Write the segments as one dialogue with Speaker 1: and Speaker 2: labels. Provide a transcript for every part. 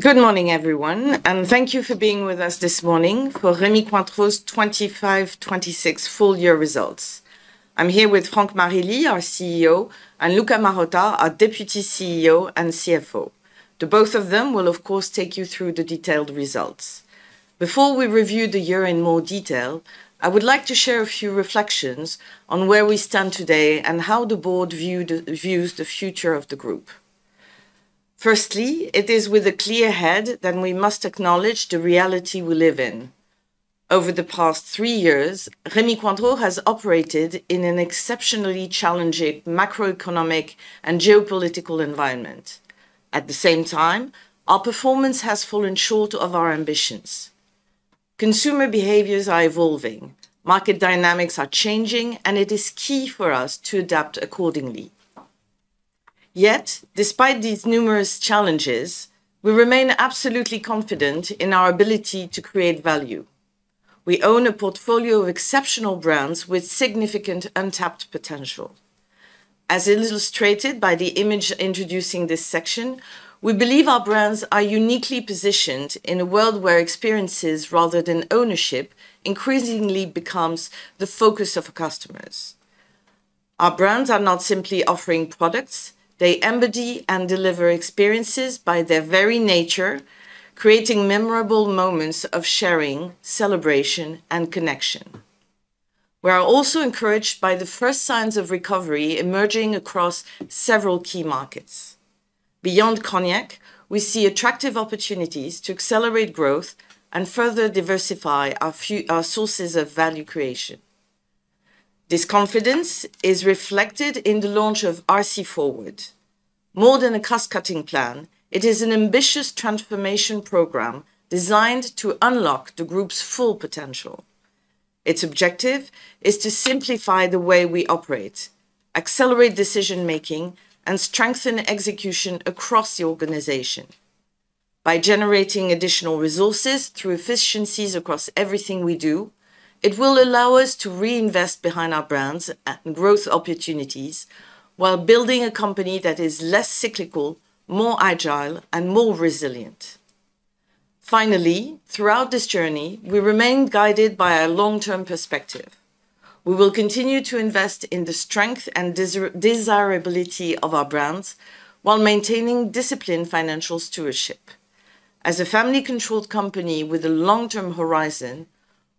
Speaker 1: Good morning, everyone, and thank you for being with us this morning for Rémy Cointreau's 2025/2026 full year results. I'm here with Franck Marilly, our CEO, and Luca Marotta, our Deputy CEO and CFO. The both of them will, of course, take you through the detailed results. Before we review the year in more detail, I would like to share a few reflections on where we stand today and how the board views the future of the group. Firstly, it is with a clear head that we must acknowledge the reality we live in. Over the past three years, Rémy Cointreau has operated in an exceptionally challenging macroeconomic and geopolitical environment. At the same time, our performance has fallen short of our ambitions. Consumer behaviors are evolving, market dynamics are changing, and it is key for us to adapt accordingly. Yet despite these numerous challenges, we remain absolutely confident in our ability to create value. We own a portfolio of exceptional brands with significant untapped potential. As illustrated by the image introducing this section, we believe our brands are uniquely positioned in a world where experiences rather than ownership increasingly becomes the focus of customers. Our brands are not simply offering products; they embody and deliver experiences by their very nature, creating memorable moments of sharing, celebration, and connection. We are also encouraged by the first signs of recovery emerging across several key markets. Beyond cognac, we see attractive opportunities to accelerate growth and further diversify our sources of value creation. This confidence is reflected in the launch of RC Forward. More than a cost-cutting plan, it is an ambitious transformation program designed to unlock the group's full potential. Its objective is to simplify the way we operate, accelerate decision-making, and strengthen execution across the organization. By generating additional resources through efficiencies across everything we do, it will allow us to reinvest behind our brands and growth opportunities while building a company that is less cyclical, more agile, and more resilient. Finally, throughout this journey, we remain guided by a long-term perspective. We will continue to invest in the strength and desirability of our brands while maintaining disciplined financial stewardship. As a family-controlled company with a long-term horizon,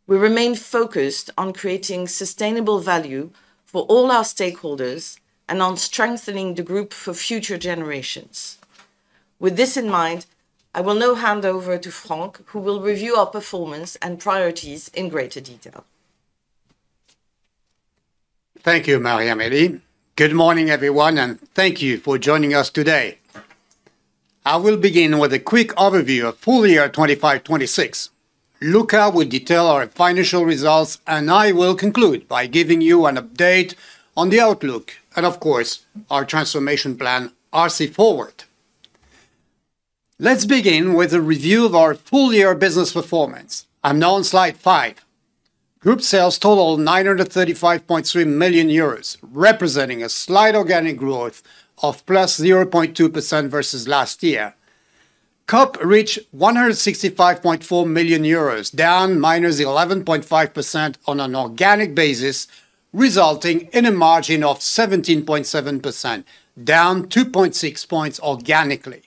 Speaker 1: we remain focused on creating sustainable value for all our stakeholders and on strengthening the group for future generations. With this in mind, I will now hand over to Franck, who will review our performance and priorities in greater detail.
Speaker 2: Thank you, Marie-Amélie. Good morning, everyone, thank you for joining us today. I will begin with a quick overview of full year 2025/2026. Luca will detail our financial results, I will conclude by giving you an update on the outlook and, of course, our transformation plan, RC Forward. Let's begin with a review of our full year business performance. I'm now on slide five. Group sales total 935.3 million euros, representing a slight organic growth of +0.2% versus last year. COP reached 165.4 million euros, down -11.5% on an organic basis, resulting in a margin of 17.7%, down 2.6 points organically.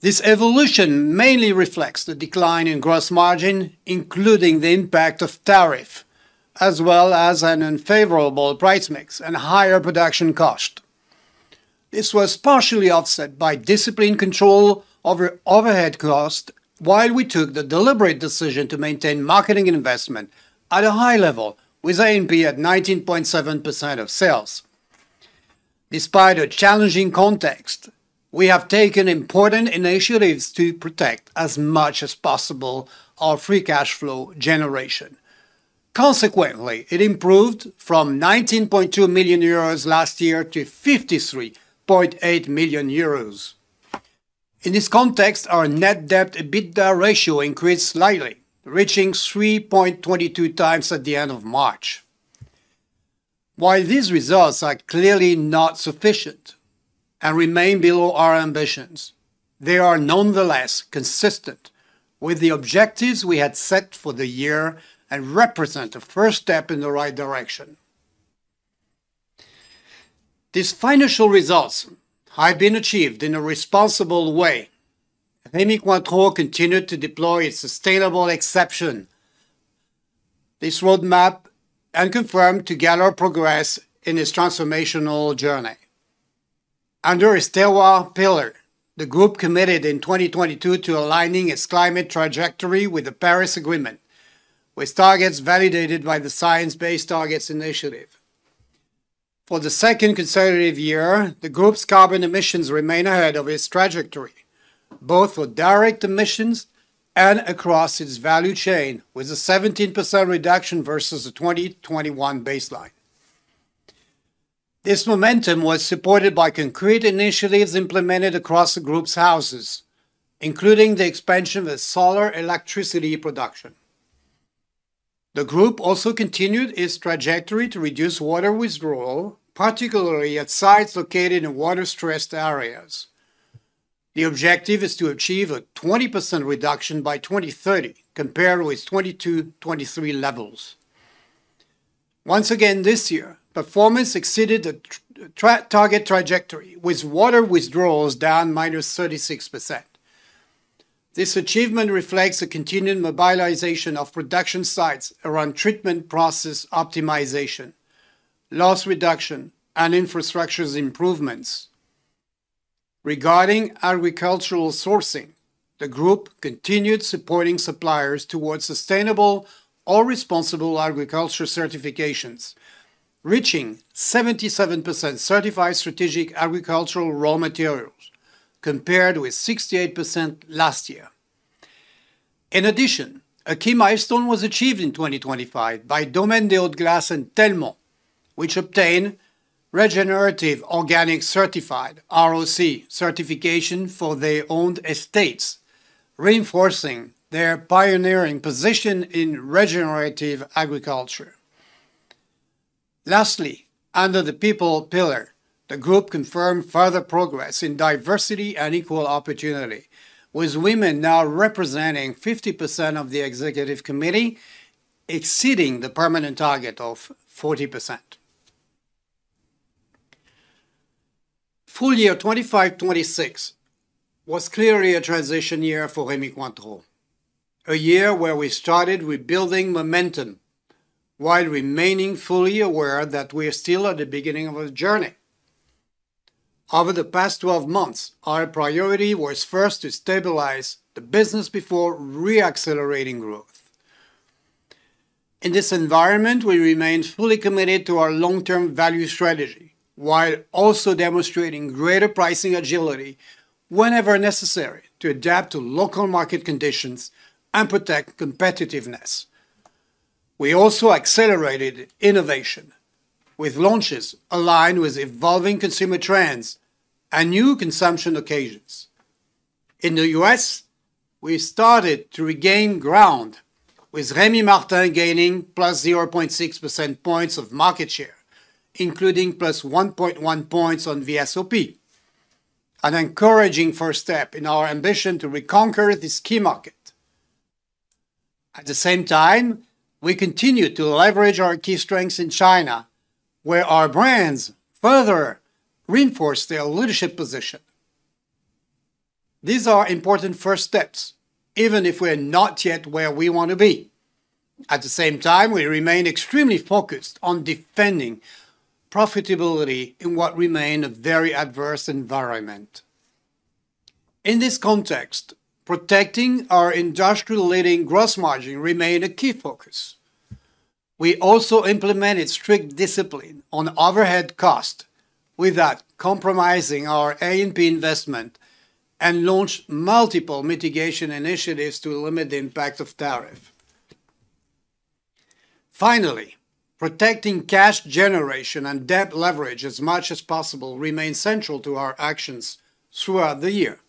Speaker 2: This evolution mainly reflects the decline in gross margin, including the impact of tariff, as well as an unfavorable price mix and higher production cost. This was partially offset by disciplined control over overhead cost, while we took the deliberate decision to maintain marketing investment at a high level with A&P at 19.7% of sales. Despite a challenging context, we have taken important initiatives to protect as much as possible our free cash flow generation. Consequently, it improved from 19.2 million euros last year to 53.8 million euros. In this context, our net debt EBITDA ratio increased slightly, reaching 3.22x at the end of March. While these results are clearly not sufficient and remain below our ambitions, they are nonetheless consistent with the objectives we had set for the year and represent a first step in the right direction. These financial results have been achieved in a responsible way. Rémy Cointreau continued to deploy a sustainable exception. This roadmap and confirm together progress in its transformational journey. Under a stalwart pillar, the group committed in 2022 to aligning its climate trajectory with the Paris Agreement, with targets validated by the Science Based Targets initiative. For the second consecutive year, the group's carbon emissions remain ahead of its trajectory, both for direct emissions and across its value chain, with a 17% reduction versus the 2021 baseline. This momentum was supported by concrete initiatives implemented across the group's houses, including the expansion of solar electricity production. The group also continued its trajectory to reduce water withdrawal, particularly at sites located in water-stressed areas. The objective is to achieve a 20% reduction by 2030 compared with 2022/2023 levels. Once again this year, performance exceeded the target trajectory with water withdrawals down -36%. This achievement reflects a continued mobilization of production sites around treatment process optimization, loss reduction, and infrastructure improvements. Regarding agricultural sourcing, the group continued supporting suppliers towards sustainable or responsible agriculture certifications, reaching 77% certified strategic agricultural raw materials, compared with 68% last year. In addition a key milestone was achieved in 2025 by Domaine des Hautes Glaces and Telme, which obtained Regenerative Organic Certified, ROC, certification for their owned estates, reinforcing their pioneering position in regenerative agriculture. Under the people pillar, the group confirmed further progress in diversity and equal opportunity, with women now representing 50% of the executive committee, exceeding the permanent target of 40%. Full year 2025/2026 was clearly a transition year for Rémy Cointreau. A year where we started rebuilding momentum while remaining fully aware that we are still at the beginning of a journey. Over the past 12 months, our priority was first to stabilize the business before re-accelerating growth. In this environment, we remained fully committed to our long-term value strategy while also demonstrating greater pricing agility whenever necessary to adapt to local market conditions and protect competitiveness. We also accelerated innovation with launches aligned with evolving consumer trends and new consumption occasions. In the U.S., we started to regain ground with Rémy Martin gaining +0.6 percentage points of market share, including plus 1.1 points on VSOP, an encouraging first step in our ambition to reconquer this key market. At the same time, we continue to leverage our key strengths in China, where our brands further reinforce their leadership position. These are important first steps, even if we're not yet where we want to be. At the same time, we remain extremely focused on defending profitability in what remained a very adverse environment. In this context, protecting our industrial leading gross margin remained a key focus. We also implemented strict discipline on overhead cost without compromising our A&P investment and launched multiple mitigation initiatives to limit the impact of tariff. Finally, protecting cash generation and debt leverage as much as possible remained central to our actions throughout the year.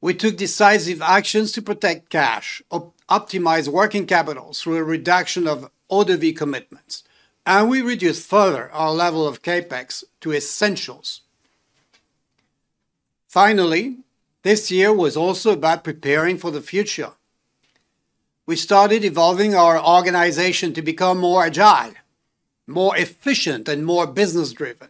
Speaker 2: We took decisive actions to protect cash, optimize working capital through a reduction of ODV commitments, and we reduced further our level of CapEx to essentials. Finally, this year was also about preparing for the future. We started evolving our organization to become more agile, more efficient, and more business-driven.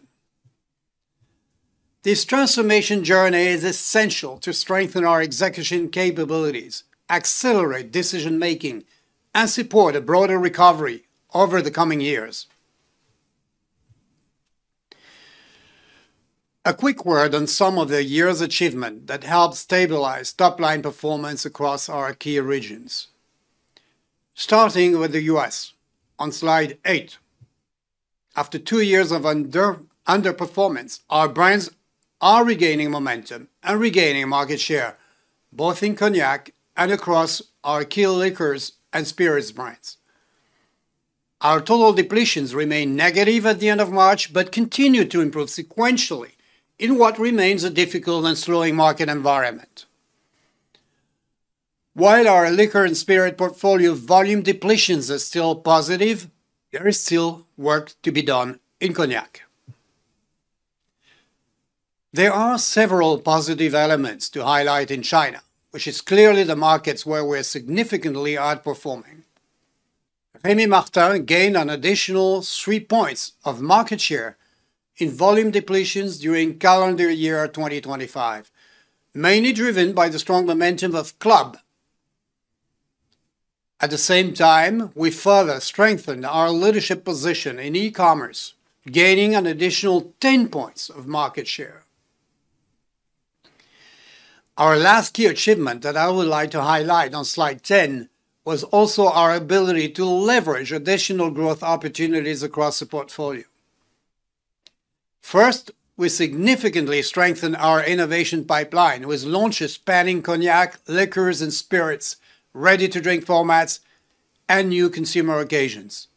Speaker 2: This transformation journey is essential to strengthen our execution capabilities, accelerate decision-making, and support a broader recovery over the coming years. A quick word on some of the year's achievement that helped stabilize top-line performance across our key regions. Starting with the U.S., on slide eight. After two years of underperformance, our brands are regaining momentum and regaining market share both in cognac and across our key liquors and spirits brands. Our total depletions remain negative at the end of March, but continue to improve sequentially in what remains a difficult and slowing market environment. While our liquor and spirit portfolio volume depletions are still positive, there is still work to be done in cognac. There are several positive elements to highlight in China, which is clearly the market where we're significantly outperforming. Rémy Martin gained an additional three points of market share in volume depletions during calendar year 2025, mainly driven by the strong momentum of Club. At the same time, we further strengthened our leadership position in e-commerce, gaining an additional 10 points of market share. Our last key achievement that I would like to highlight on slide 10 was also our ability to leverage additional growth opportunities across the portfolio. First, we significantly strengthened our innovation pipeline with launches spanning cognac, liquors and spirits, ready-to-drink formats, and new consumer occasions.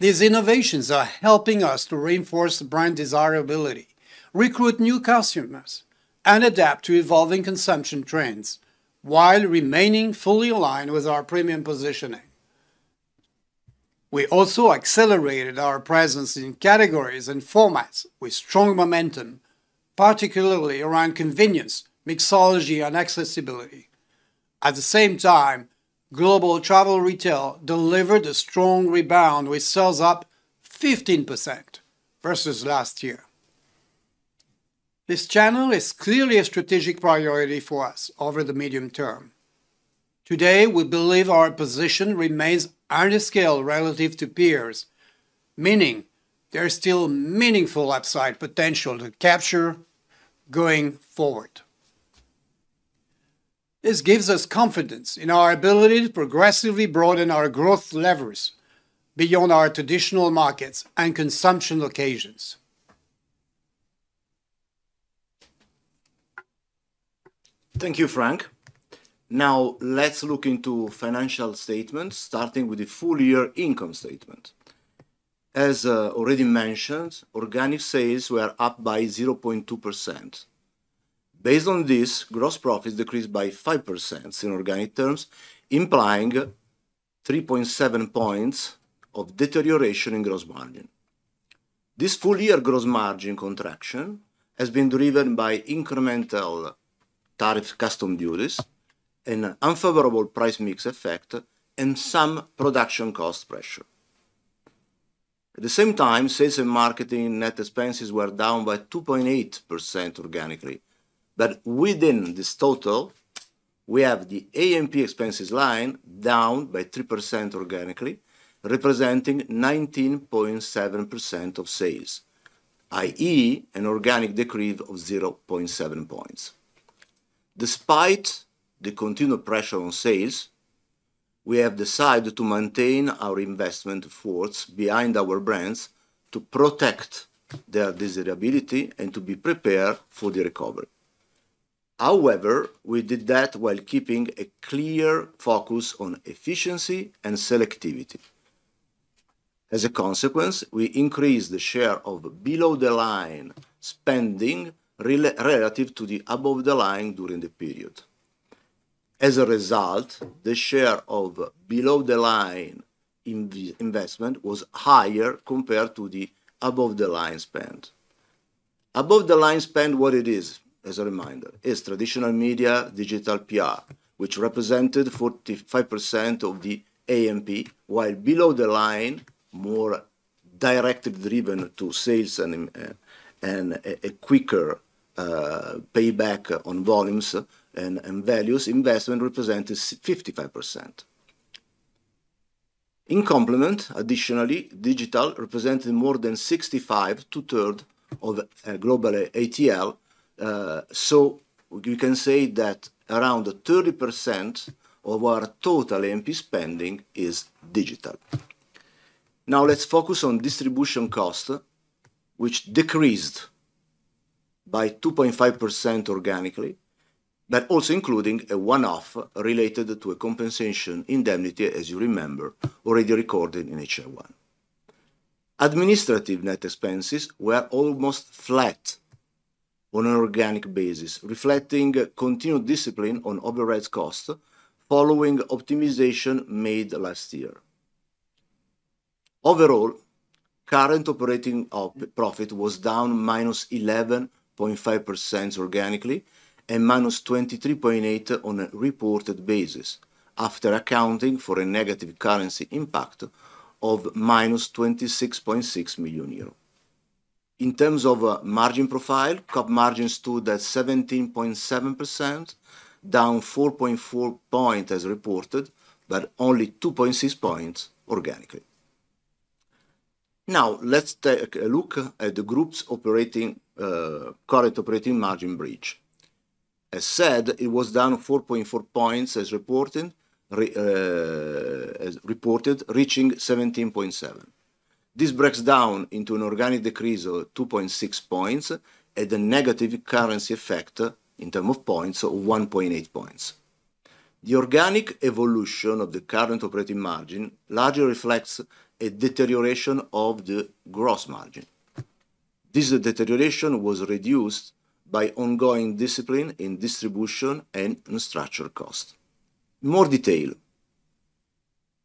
Speaker 2: These innovations are helping us to reinforce the brand desirability, recruit new customers, and adapt to evolving consumption trends while remaining fully aligned with our premium positioning. We also accelerated our presence in categories and formats with strong momentum, particularly around convenience, mixology, and accessibility. At the same time, global travel retail delivered a strong rebound, with sales up 15% versus last year. This channel is clearly a strategic priority for us over the medium term. Today, we believe our position remains underscaled relative to peers, meaning there is still meaningful upside potential to capture going forward. This gives us confidence in our ability to progressively broaden our growth levers beyond our traditional markets and consumption occasions.
Speaker 3: Thank you, Franck. Now, let's look into financial statements, starting with the full year income statement. As already mentioned, organic sales were up by 0.2%. Based on this, gross profits decreased by 5% in organic terms, implying 3.7 points of deterioration in gross margin. This full-year gross margin contraction has been driven by incremental tariff custom duties, an unfavorable price mix effect, and some production cost pressure. At the same time, sales and marketing net expenses were down by 2.8% organically. Within this total, we have the A&P expenses line down by 3% organically, representing 19.7% of sales, i.e., an organic decrease of 0.7 points. Despite the continued pressure on sales, we have decided to maintain our investment efforts behind our brands to protect their desirability and to be prepared for the recovery. However, we did that while keeping a clear focus on efficiency and selectivity. As a consequence we increased the share of below-the-line spending relative to the above-the-line during the period. The share of below-the-line investment was higher compared to the above-the-line spend. Above-the-line spend, what it is, as a reminder, is traditional media digital PR, which represented 45% of the A&P, while below-the-line, more directive driven to sales and a quicker payback on volumes and values, investment represented 55%. Additionally, digital represented more than 65 to third of global ATL. You can say that around 30% of our total A&P spending is digital. Let's focus on distribution cost, which decreased by 2.5% organically, but also including a one-off related to a compensation indemnity, as you remember, already recorded in H1. Administrative net expenses were almost flat on an organic basis, reflecting continued discipline on overhead costs following optimization made last year. Overall, Current Operating Profit was down -11.5% organically and -23.8% on a reported basis, after accounting for a negative currency impact of -26.6 million euro. In terms of margin profile, COP margin stood at 17.7%, down 4.4 points as reported, but only 2.6 points organically. Let's take a look at the Group's Current Operating Margin bridge. As said, it was down 4.4 points as reported, reaching 17.7%. This breaks down into an organic decrease of 2.6 points at a negative currency effect in terms of points of 1.8 points. The organic evolution of the Current Operating Margin largely reflects a deterioration of the gross margin. This deterioration was reduced by ongoing discipline in distribution and in structural costs. More detail.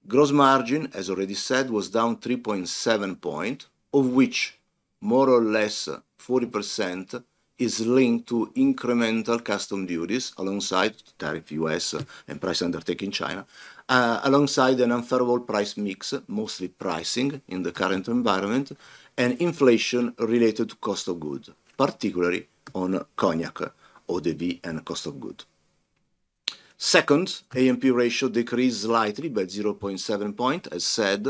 Speaker 3: Gross margin, as already said, was down 3.7 point, of which more or less 40% is linked to incremental custom duties alongside tariff U.S. and price undertaking China, alongside an unfavorable price mix, mostly pricing in the current environment, and inflation-related cost of goods, particularly on cognac, ODV, and cost of goods. Second, A&P ratio decreased slightly by 0.7 point, as said,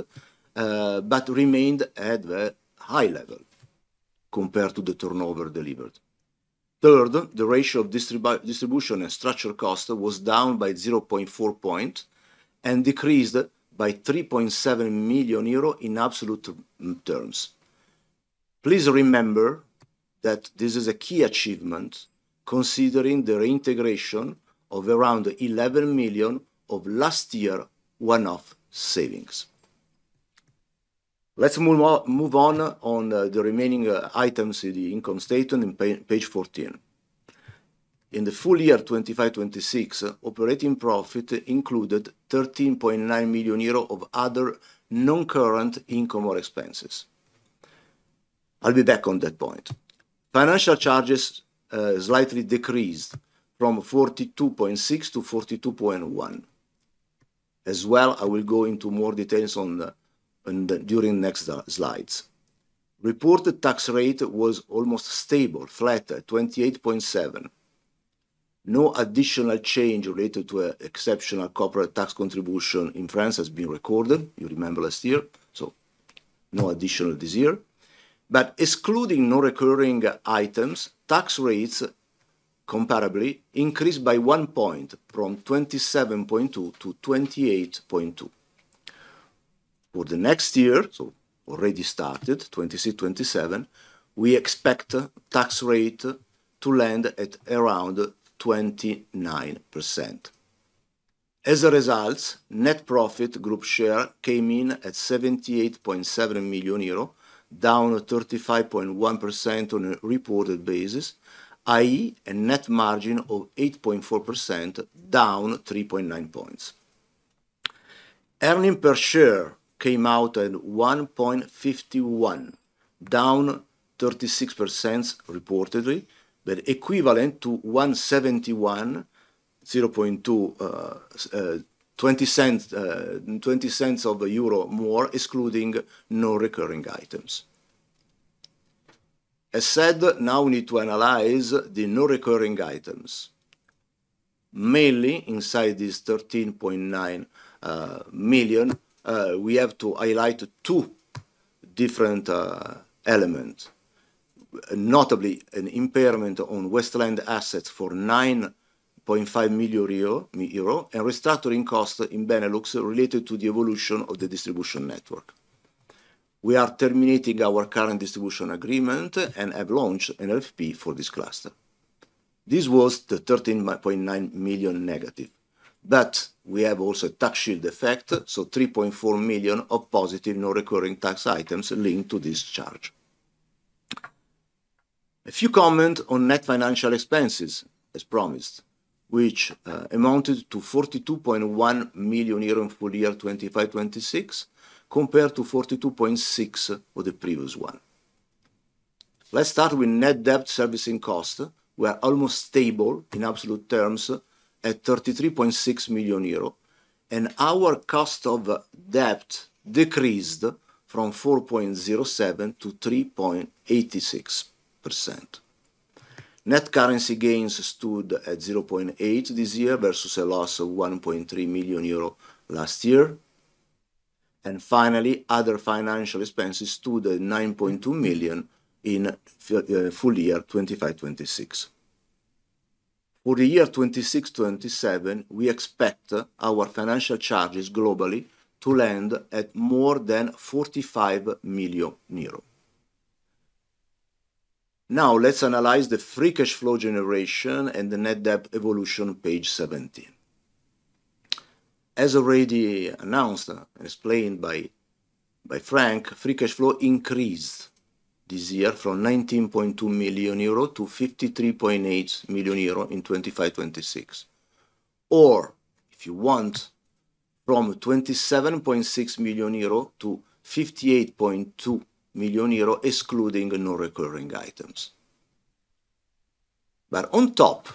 Speaker 3: but remained at a high level compared to the turnover delivered. Third, the ratio of distribution and structural cost was down by 0.4 point and decreased by 3.7 million euro in absolute terms. Please remember that this is a key achievement considering the reintegration of around 11 million of last year one-off savings. Let's move on the remaining items in the income statement in page 14. In the full year 2025/2026, operating profit included 13.9 million euro of other non-current income or expenses. I'll be back on that point. Financial charges slightly decreased from EUR 42.6-42.1. I will go into more details during next slides. Reported tax rate was almost stable, flat at 28.7%. No additional change related to exceptional corporate tax contribution in France has been recorded. You remember last year, no additional this year. Excluding non-recurring items, tax rates comparably increased by 1 point from 27.2%-28.2%. For the next year, already started, 2026/2027, we expect tax rate to land at around 29%. Net profit group share came in at 78.7 million euro, down 35.1% on a reported basis, i.e., a net margin of 8.4%, down 3.9 points. Earnings per share came out at 1.51, down 36% reportedly, equivalent to 1.71, 0.20 more, excluding non-recurring items. Now we need to analyze the non-recurring items. Mainly inside this 13.9 million, we have to highlight two different elements. Notably, an impairment on Westland assets for 9.5 million euro and restructuring costs in Benelux related to the evolution of the distribution network. We are terminating our current distribution agreement and have launched an RFP for this cluster. This was the 13.9 million negative. We have also tax shield effect, 3.4 million of positive non-recurring tax items linked to this charge. A few comment on net financial expenses, as promised, which amounted to 42.1 million euro in full year 2025/2026, compared to 42.6 million for the previous one. Let's start with net debt servicing cost, were almost stable in absolute terms at 33.6 million euro, and our cost of debt decreased from 4.07%-3.86%. Net currency gains stood at 0.8 million this year versus a loss of 1.3 million euro last year. Finally, other financial expenses stood at 9.2 million in full year 2025/2026. For the year 2026/2027, we expect our financial charges globally to land at more than 45 million euro. Let's analyze the free cash flow generation and the net debt evolution, page 17. As already announced, explained by Franck, free cash flow increased this year from 19.2 million-53.8 million euro in 2025/2026. Or if you want, from 27.6 million-58.2 million euro, excluding non-recurring items. On top,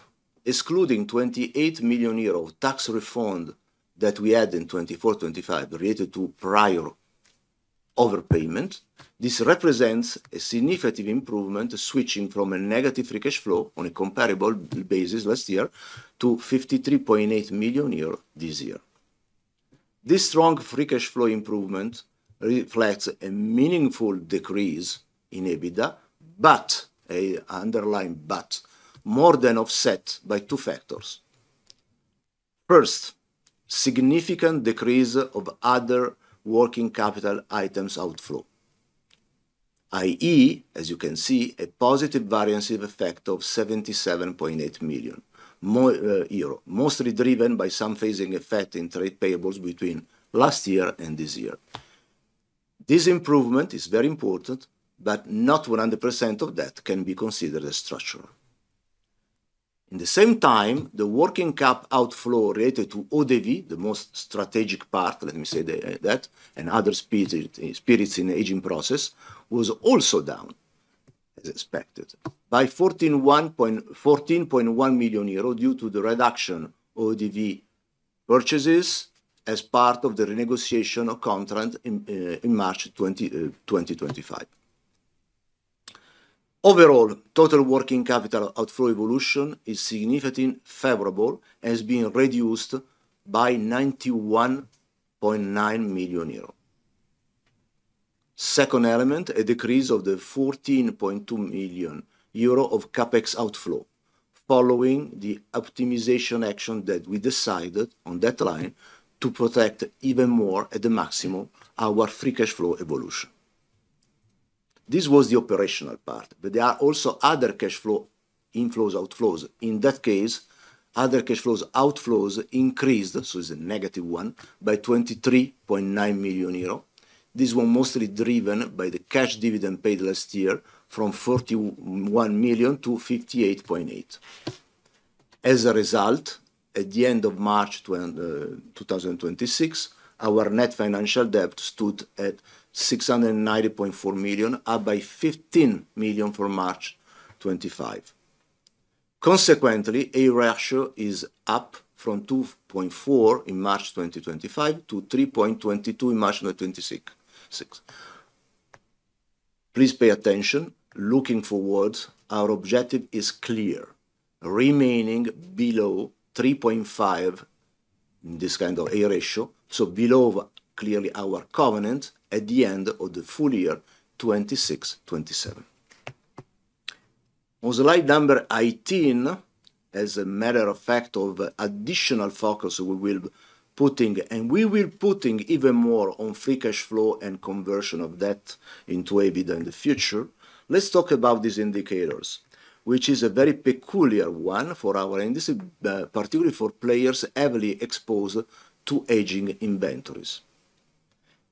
Speaker 3: excluding 28 million euro tax refund that we had in 2024/2025 related to prior overpayment, this represents a significant improvement, switching from a negative free cash flow on a comparable basis last year to 53.8 million euro this year. This strong free cash flow improvement reflects a meaningful decrease in EBITDA, but, a underlying but, more than offset by two factors. Significant decrease of other working capital items outflow, i.e., as you can see, a positive variance of effect of 77.8 million euro, mostly driven by some phasing effect in trade payables between last year and this year. This improvement is very important, but not 100% of that can be considered as structural. In the same time, the working cap outflow related to ODV, the most strategic part, let me say that, and other spirits in aging process, was also down, as expected, by 14.1 million euros due to the reduction ODV purchases as part of the renegotiation of contract in March 2025. Overall, total working capital outflow evolution is significantly favorable, has been reduced by 91.9 million euro. A decrease of the 14.2 million euro of CapEx outflow. Following the optimization action that we decided on that line to protect even more at the maximum our free cash flow evolution. This was the operational part. There are also other cash flow inflows, outflows. In that case, other cash flows outflows increased, so it's a negative one, by 23.9 million euro. This was mostly driven by the cash dividend paid last year from 41 million to 58.8 million. As a result, at the end of March 2026, our net financial debt stood at 690.4 million, up by 15 million from March 2025. Consequently, ADR is up from 2.4 in March 2025 to 3.22 in March 2026. Please pay attention. Looking forward, our objective is clear, remaining below 3.5, this kind of ADR, so below, clearly our covenant at the end of the full year 2026/2027. On slide number 18, as a matter of fact of additional focus, we will putting even more on free cash flow and conversion of that into EBITDA in the future. Let's talk about these indicators, which is a very peculiar one for our industry, particularly for players heavily exposed to aging inventories.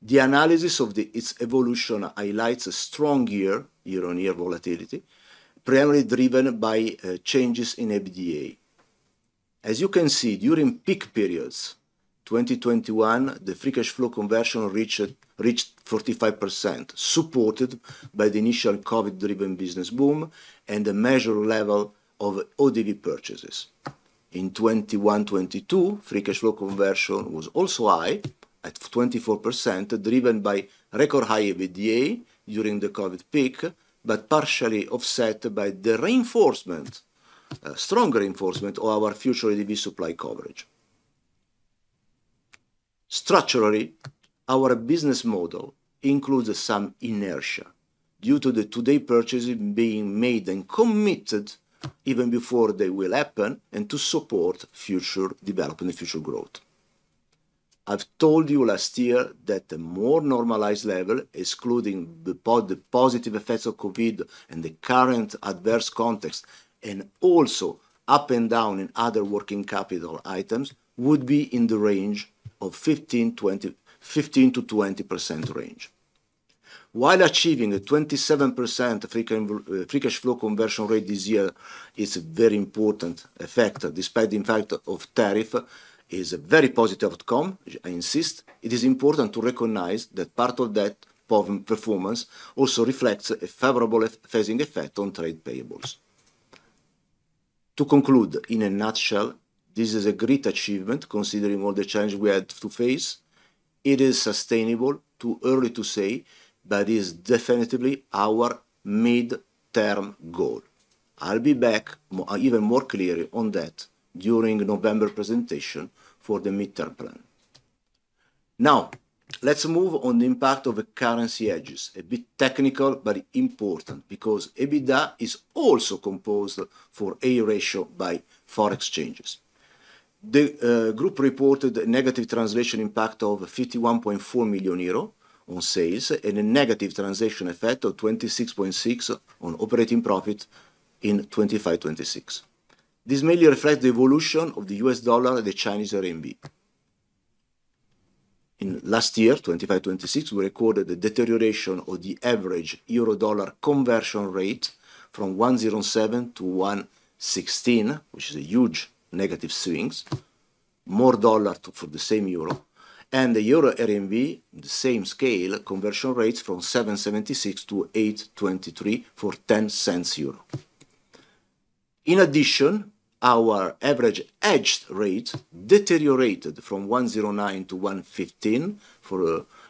Speaker 3: The analysis of its evolution highlights a strong year-on-year volatility, primarily driven by changes in EBITDA. As you can see, during peak periods, 2021, the free cash flow conversion reached 45%, supported by the initial COVID-driven business boom and a measured level of eau-de-vie purchases. In 2021/2022, free cash flow conversion was also high at 24%, driven by record high EBITDA during the COVID peak, but partially offset by the strong reinforcement of our future eau-de-vie supply coverage. Structurally, our business model includes some inertia due to the today purchases being made and committed even before they will happen and to support future development and future growth. I've told you last year that the more normalized level, excluding the positive effects of COVID and the current adverse context, and also up and down in other working capital items, would be in the 15%-20% range. Achieving a 27% free cash flow conversion rate this year is a very important effect, despite the impact of tariff is a very positive outcome, I insist, it is important to recognize that part of that performance also reflects a favorable phasing effect on trade payables. To conclude, in a nutshell, this is a great achievement considering all the challenges we had to face. It is sustainable, too early to say, is definitively our mid-term goal. I'll be back even more clear on that during November presentation for the mid-term plan. Let's move on the impact of the currency hedges. A bit technical, but important because EBITDA is also composed for ADR by foreign exchanges. The group reported a negative translation impact of 51.4 million euro on sales and a negative translation effect of 26.6 on operating profit in 2025/2026. This mainly reflects the evolution of the US dollar and the Chinese RMB. In last year, 2025/2026, we recorded a deterioration of the average euro-dollar conversion rate from 107-116, which is a huge negative swings, more dollar for the same euro, and the euro RMB, the same scale, conversion rates from 776-823 for EUR 0.10. Our average hedged rate deteriorated from 109 to 115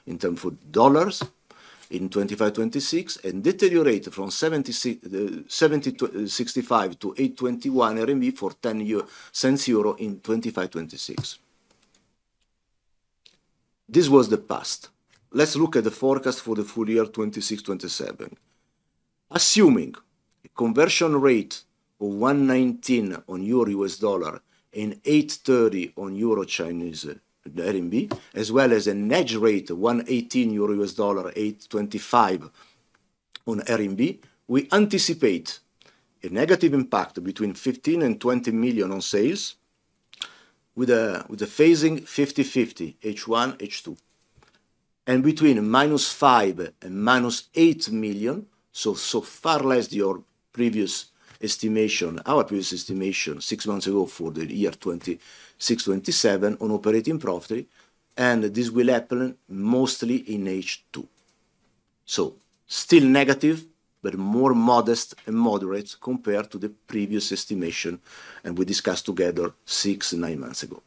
Speaker 3: in term for dollars in 2025/2026, and deteriorated from RMB 70 to 65 to RMB 821 to EUR 0.10 in 2025/2026. This was the past. Let's look at the forecast for the full year 2026/2027. Assuming a conversion rate of 119 on EUR-USD and 830 on EUR-RMB, as well as a net rate of 118 EUR-USD, 825 on RMB, we anticipate a negative impact between 15 million and 20 million on sales with a phasing 50/50 H1, H2, and between -5 million and -8 million, so far less than our previous estimation six months ago for the year 2026/2027 on operating profit, and this will happen mostly in H2. Still negative, but more modest and moderate compared to the previous estimation, and we discussed together six and nine months ago.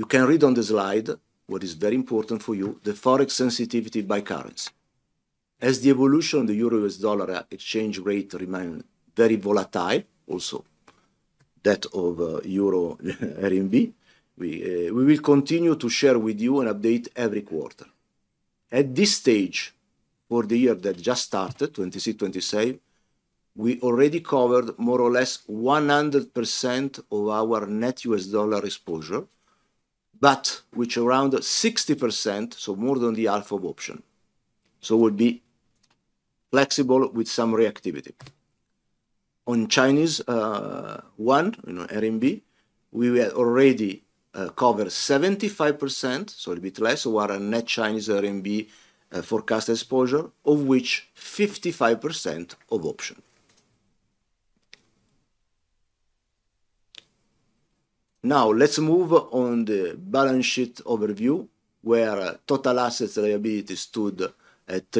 Speaker 3: You can read on the slide what is very important for you, the Forex sensitivity by currency. As the evolution of the EUR-USD exchange rate remain very volatile also that of EUR-RMB. We will continue to share with you an update every quarter. At this stage, for the year that just started, 2026/2027, we already covered more or less 100% of our net US dollar exposure, but with around 60%, so more than the half of option. On Chinese one, RMB, we have already covered 75%, so a bit less of our net Chinese RMB forecast exposure, of which 55% of option. Let's move on the balance sheet overview, where total assets liability stood at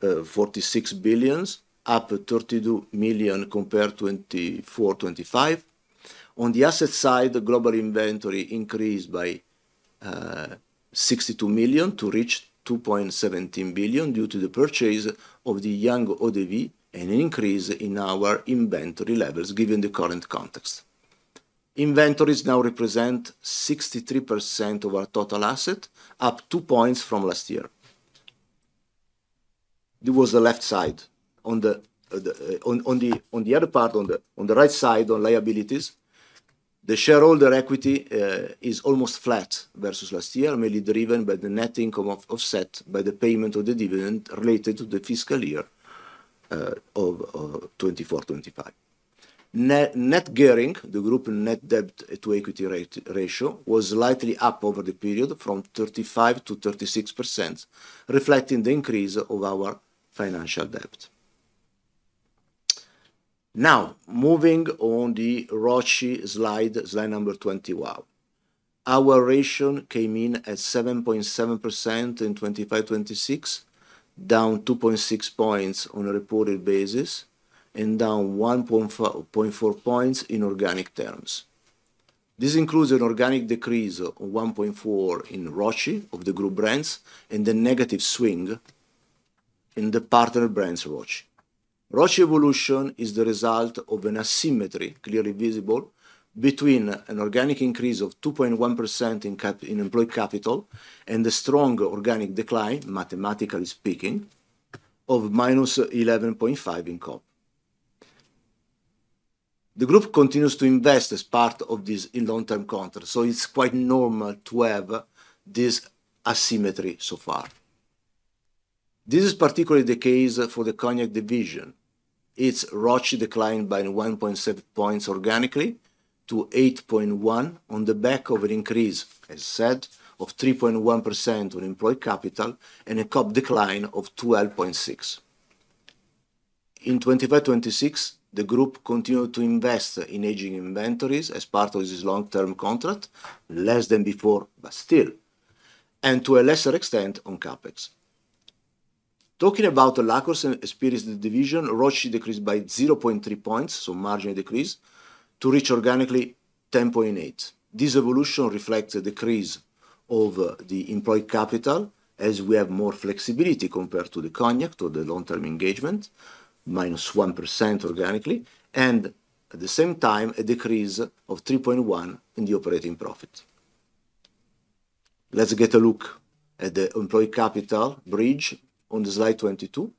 Speaker 3: 346 billion, up 32 million compared to 2024/2025. On the asset side, the global inventory increased by 62 million to reach 2.17 billion due to the purchase of the young eau-de-vie, an increase in our inventory levels given the current context. Inventories now represent 63% of our total asset, up two points from last year. That was the left side. On the other part, on the right side, on liabilities, the shareholder equity is almost flat versus last year, mainly driven by the net income offset by the payment of the dividend related to the fiscal year of 2024/2025. Net gearing, the Group net debt to equity ratio, was slightly up over the period from 35%-36%, reflecting the increase of our financial debt. Moving on the ROCE slide number 21. Our ratio came in at 7.7% in 2025/2026, down 2.6 points on a reported basis and down 1.4 points in organic terms. This includes an organic decrease of 1.4 in ROCE of the Group Brands and a negative swing in the Partner Brands ROCE. ROCE evolution is the result of an asymmetry clearly visible between an organic increase of 2.1% in employed capital and the strong organic decline, mathematically speaking, of -11.5 in COP. The group continues to invest as part of this in long-term contract, so it's quite normal to have this asymmetry so far. This is particularly the case for the cognac division. Its ROCE declined by 1.7 points organically to 8.1 on the back of an increase, as I said, of 3.1% on employed capital and a COP decline of 12.6. In 2025/2026, the group continued to invest in aging inventories as part of this long-term contract, less than before, but still, and to a lesser extent on CapEx. Talking about the liqueurs and spirits division, ROCE decreased by 0.3 points, so marginal decrease, to reach organically 10.8. This evolution reflects a decrease of the employed capital as we have more flexibility compared to the cognac or the long-term engagement, -1% organically, and at the same time, a decrease of 3.1 in the operating profit. Let's get a look at the employed capital bridge on slide 22.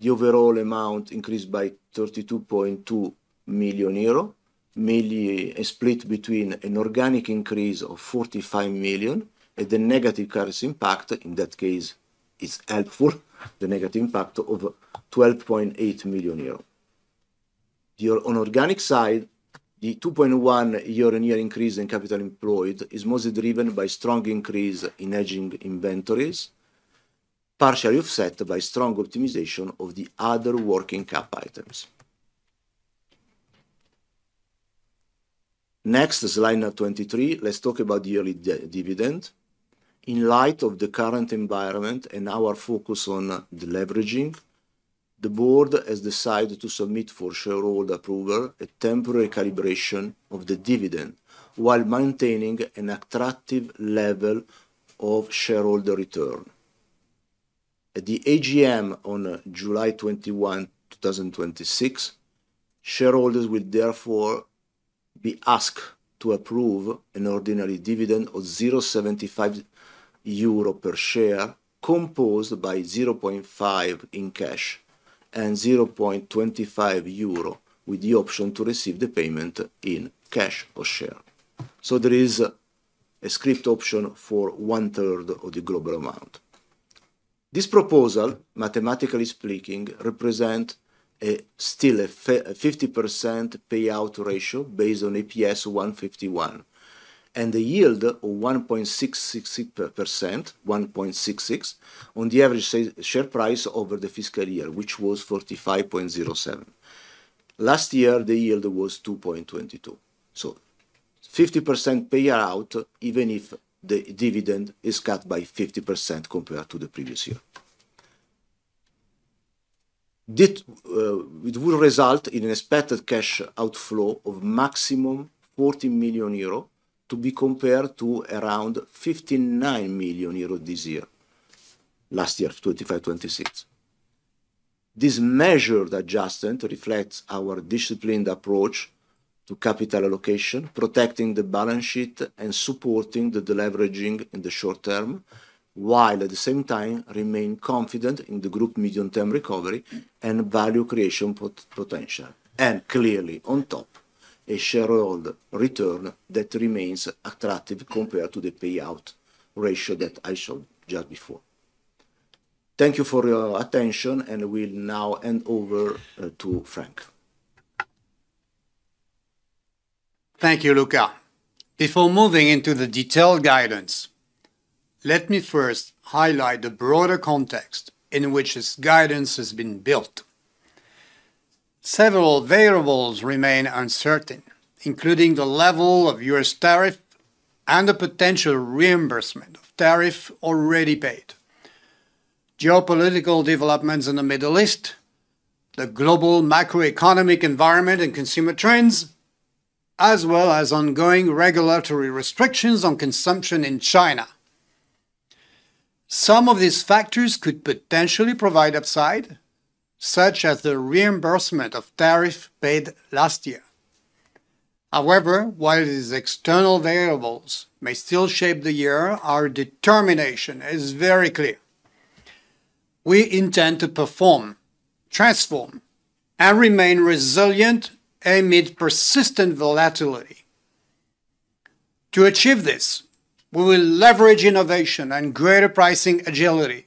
Speaker 3: The overall amount increased by 32.2 million euro, mainly split between an organic increase of 45 million and the negative currency impact, in that case, is helpful, the negative impact of 12.8 million euros. On organic side, the 2.1 year-on-year increase in capital employed is mostly driven by strong increase in aging inventories, partially offset by strong optimization of the other working cap items. Next, slide number 23, let's talk about the yearly dividend. In light of the current environment and our focus on the leveraging, the board has decided to submit for shareholder approval a temporary calibration of the dividend while maintaining an attractive level of shareholder return. At the AGM on July 21, 2026, shareholders will therefore be asked to approve an ordinary dividend of 0.75 euro per share, composed by 0.5 in cash and 0.25 euro with the option to receive the payment in cash or share. There is a script option for one-third of the global amount. This proposal, mathematically speaking, represent still a 50% payout ratio based on EPS 151, and a yield of 1.66% on the average share price over the fiscal year, which was 45.07. Last year, the yield was 2.22%. 50% payout, even if the dividend is cut by 50% compared to the previous year. It will result in an expected cash outflow of maximum 40 million euro to be compared to around 59 million euro this year, last year, 2025/2026. This measured adjustment reflects our disciplined approach to capital allocation, protecting the balance sheet and supporting the deleveraging in the short term, while at the same time remain confident in the Group medium-term recovery and value creation potential. Clearly on top, a shareholder return that remains attractive compared to the payout ratio that I showed just before. Thank you for your attention, and we'll now hand over to Franck.
Speaker 2: Thank you, Luca. Before moving into the detailed guidance, let me first highlight the broader context in which this guidance has been built. Several variables remain uncertain, including the level of U.S. tariff and the potential reimbursement of tariff already paid, geopolitical developments in the Middle East, the global macroeconomic environment and consumer trends, as well as ongoing regulatory restrictions on consumption in China. Some of these factors could potentially provide upside, such as the reimbursement of tariff paid last year. However, while these external variables may still shape the year, our determination is very clear. We intend to perform, transform, and remain resilient amid persistent volatility. To achieve this, we will leverage innovation and greater pricing agility,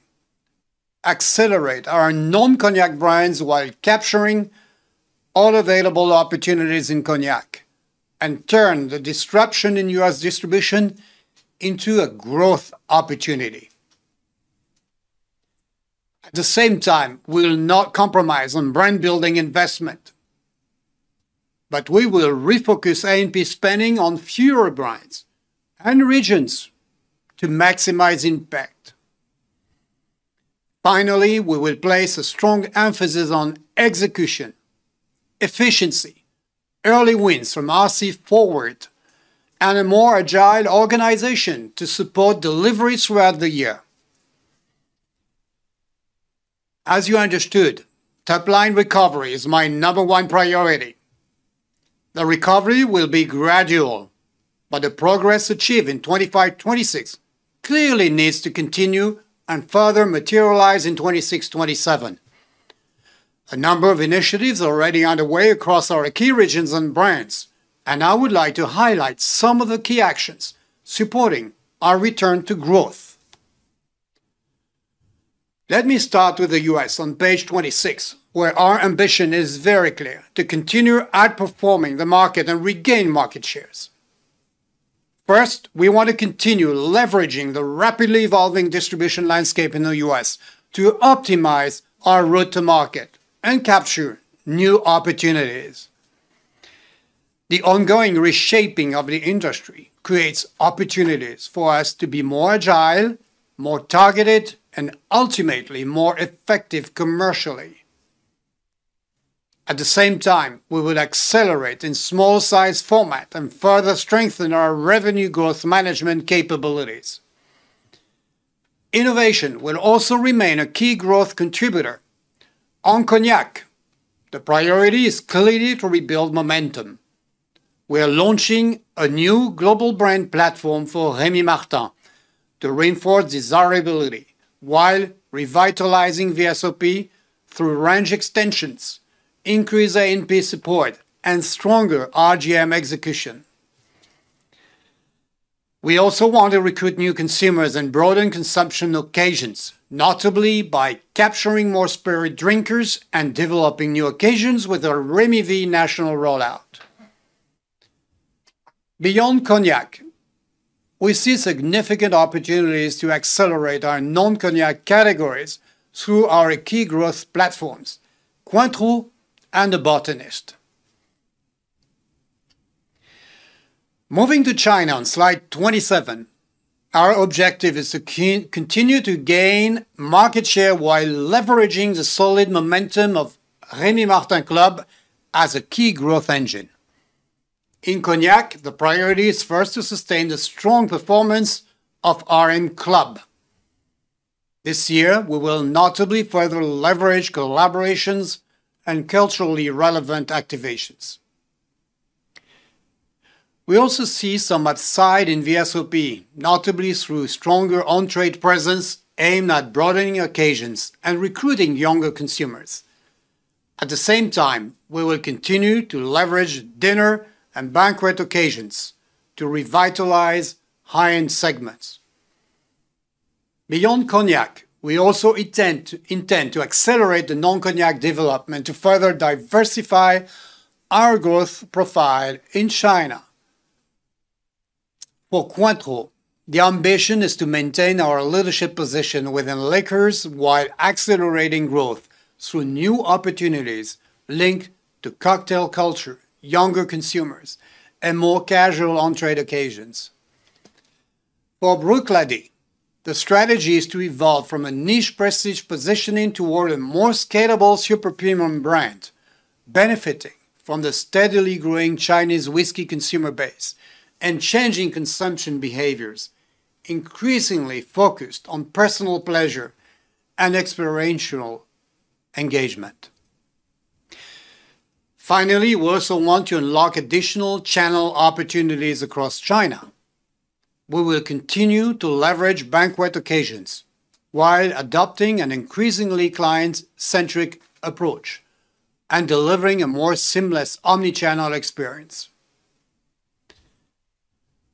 Speaker 2: accelerate our non-Cognac brands while capturing all available opportunities in Cognac, and turn the disruption in U.S. distribution into a growth opportunity. At the same time, we will not compromise on brand building investment, but we will refocus A&P spending on fewer brands and regions to maximize impact. Finally, we will place a strong emphasis on execution, efficiency, early wins from RC Forward, and a more agile organization to support delivery throughout the year. As you understood, top-line recovery is my number one priority. The recovery will be gradual, but the progress achieved in 2025/2026 clearly needs to continue and further materialize in 2026/2027. A number of initiatives are already underway across our key regions and brands, and I would like to highlight some of the key actions supporting our return to growth. Let me start with the U.S. on page 26, where our ambition is very clear: to continue outperforming the market and regain market shares. First, we want to continue leveraging the rapidly evolving distribution landscape in the U.S. to optimize our route to market and capture new opportunities. The ongoing reshaping of the industry creates opportunities for us to be more agile, more targeted, and ultimately, more effective commercially. At the same time, we will accelerate in small size format and further strengthen our revenue growth management capabilities. Innovation will also remain a key growth contributor. On Cognac, the priority is clearly to rebuild momentum. We are launching a new global brand platform for Rémy Martin to reinforce desirability while revitalizing the VSOP through range extensions, increased A&P support, and stronger RGM execution. We also want to recruit new consumers and broaden consumption occasions, notably by capturing more spirit drinkers and developing new occasions with a Rémy V national rollout. Beyond Cognac, we see significant opportunities to accelerate our non-Cognac categories through our key growth platforms, Cointreau and The Botanist. Moving to China on slide 27, our objective is to continue to gain market share while leveraging the solid momentum of Rémy Martin Club as a key growth engine. In Cognac, the priority is first to sustain the strong performance of RM Club. This year, we will notably further leverage collaborations and culturally relevant activations. We also see some upside in VSOP, notably through stronger on-trade presence aimed at broadening occasions and recruiting younger consumers. At the same time, we will continue to leverage dinner and banquet occasions to revitalize high-end segments. Beyond Cognac, we also intend to accelerate the non-Cognac development to further diversify our growth profile in China. For Cointreau, the ambition is to maintain our leadership position within liquors while accelerating growth through new opportunities linked to cocktail culture, younger consumers, and more casual on-trade occasions. For Bruichladdich, the strategy is to evolve from a niche prestige positioning toward a more scalable super premium brand, benefiting from the steadily growing Chinese whiskey consumer base and changing consumption behaviors, increasingly focused on personal pleasure and experiential engagement. Finally, we also want to unlock additional channel opportunities across China. We will continue to leverage banquet occasions while adopting an increasingly client-centric approach and delivering a more seamless omnichannel experience.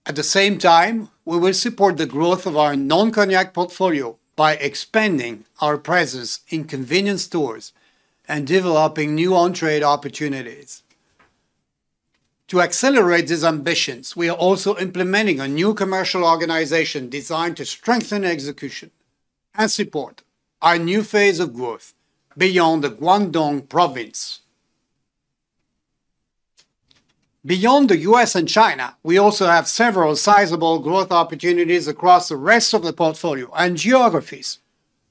Speaker 2: At the same time, we will support the growth of our non-cognac portfolio by expanding our presence in convenience stores and developing new on-trade opportunities. To accelerate these ambitions, we are also implementing a new commercial organization designed to strengthen execution and support our new phase of growth beyond the Guangdong Province. Beyond the U.S. and China, we also have several sizable growth opportunities across the rest of the portfolio and geographies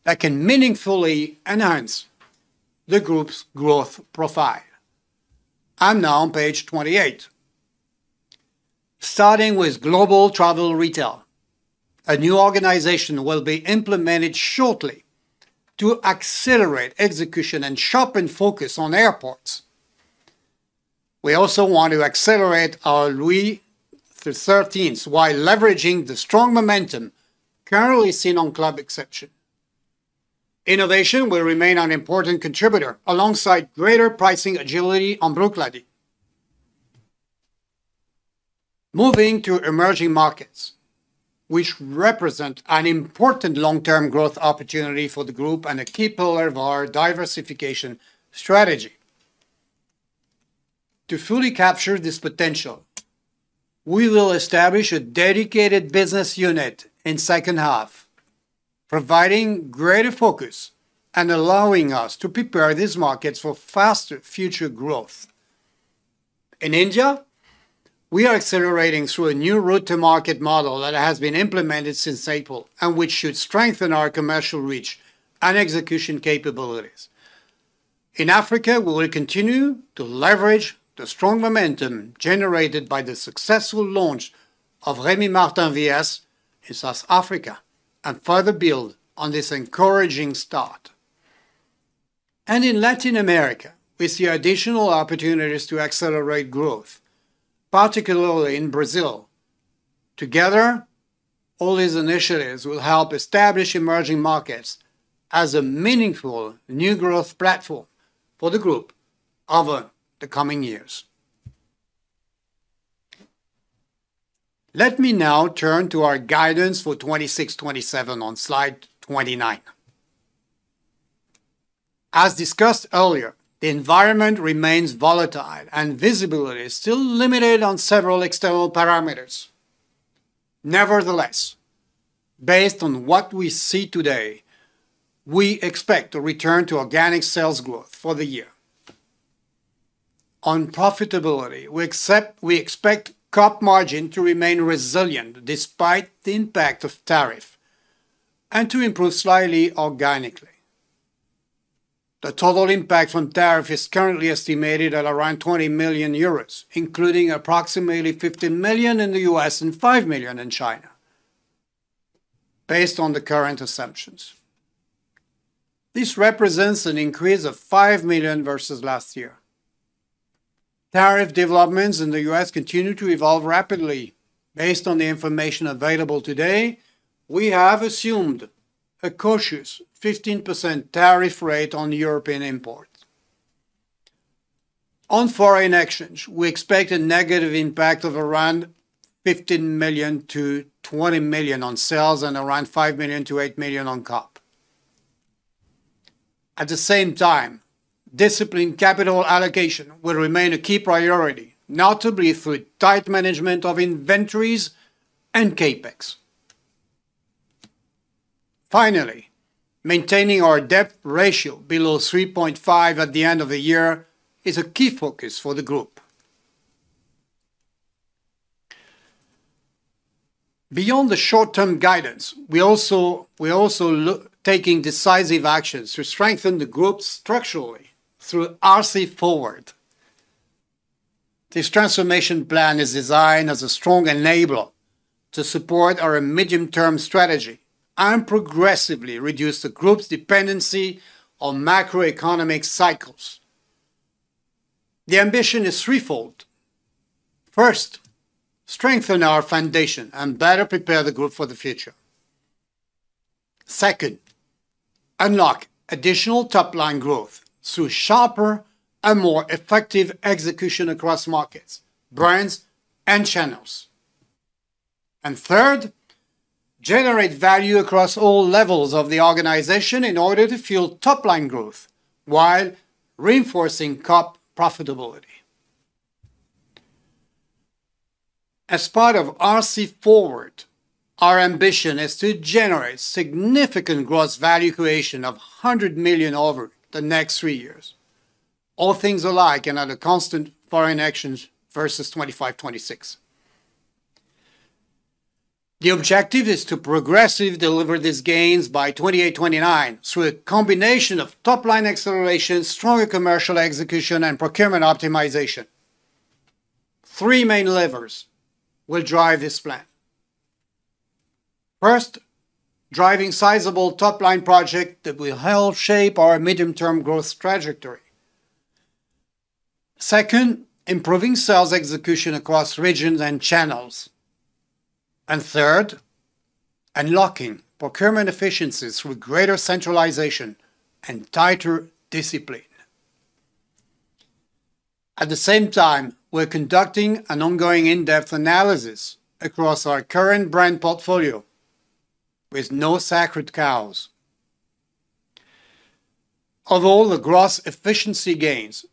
Speaker 2: that can meaningfully enhance the group's growth profile. I'm now on page 28. Starting with global travel retail, a new organization will be implemented shortly to accelerate execution and sharpen focus on airports. We also want to accelerate our Louis XIII, while leveraging the strong momentum currently seen on Club Exception. Innovation will remain an important contributor alongside greater pricing agility on Brugal. Moving to emerging markets, which represent an important long-term growth opportunity for the group and a key pillar of our diversification strategy. To fully capture this potential, we will establish a dedicated business unit in second half, providing greater focus and allowing us to prepare these markets for faster future growth. In India, we are accelerating through a new route to market model that has been implemented since April and which should strengthen our commercial reach and execution capabilities. In Africa, we will continue to leverage the strong momentum generated by the successful launch of Rémy Martin VS in South Africa and further build on this encouraging start. In Latin America, we see additional opportunities to accelerate growth, particularly in Brazil. Together, all these initiatives will help establish emerging markets as a meaningful new growth platform for the group over the coming years. Let me now turn to our guidance for 2026/2027 on slide 29. As discussed earlier, the environment remains volatile and visibility is still limited on several external parameters. Nevertheless, based on what we see today, we expect to return to organic sales growth for the year. On profitability, we expect COGS margin to remain resilient despite the impact of tariffs and to improve slightly organically. The total impact from tariffs is currently estimated at around 20 million euros, including approximately $15 million in the U.S. and 5 million in China, based on the current assumptions. This represents an increase of 5 million versus last year. Tariff developments in the U.S. continue to evolve rapidly. Based on the information available today, we have assumed a cautious 15% tariff rate on European imports. On foreign exchange, we expect a negative impact of around 15 million-20 million on sales and around 5 million-8 million on COGS. At the same time, disciplined capital allocation will remain a key priority, notably through tight management of inventories and CapEx. Finally, maintaining our debt ratio below 3.5 at the end of the year is a key focus for the group. Beyond the short-term guidance, we're also taking decisive actions to strengthen the group structurally through RC Forward. This transformation plan is designed as a strong enabler to support our medium-term strategy and progressively reduce the group's dependency on macroeconomic cycles. The ambition is threefold. First, strengthen our foundation and better prepare the group for the future. Second, unlock additional top-line growth through sharper and more effective execution across markets, brands, and channels. Third, generate value across all levels of the organization in order to fuel top-line growth while reinforcing COGS profitability. As part of RC Forward, our ambition is to generate significant gross value creation of 100 million over the next three years. All things alike and at a constant foreign exchange versus 2025/2026. The objective is to progressively deliver these gains by 2028/2029 through a combination of top-line acceleration, stronger commercial execution, and procurement optimization. Three main levers will drive this plan. First, driving sizable top-line project that will help shape our medium-term growth trajectory. Second, improving sales execution across regions and channels. Third, unlocking procurement efficiencies through greater centralization and tighter discipline. At the same time, we're conducting an ongoing in-depth analysis across our current brand portfolio with no sacred cows. Overall, the gross efficiency gains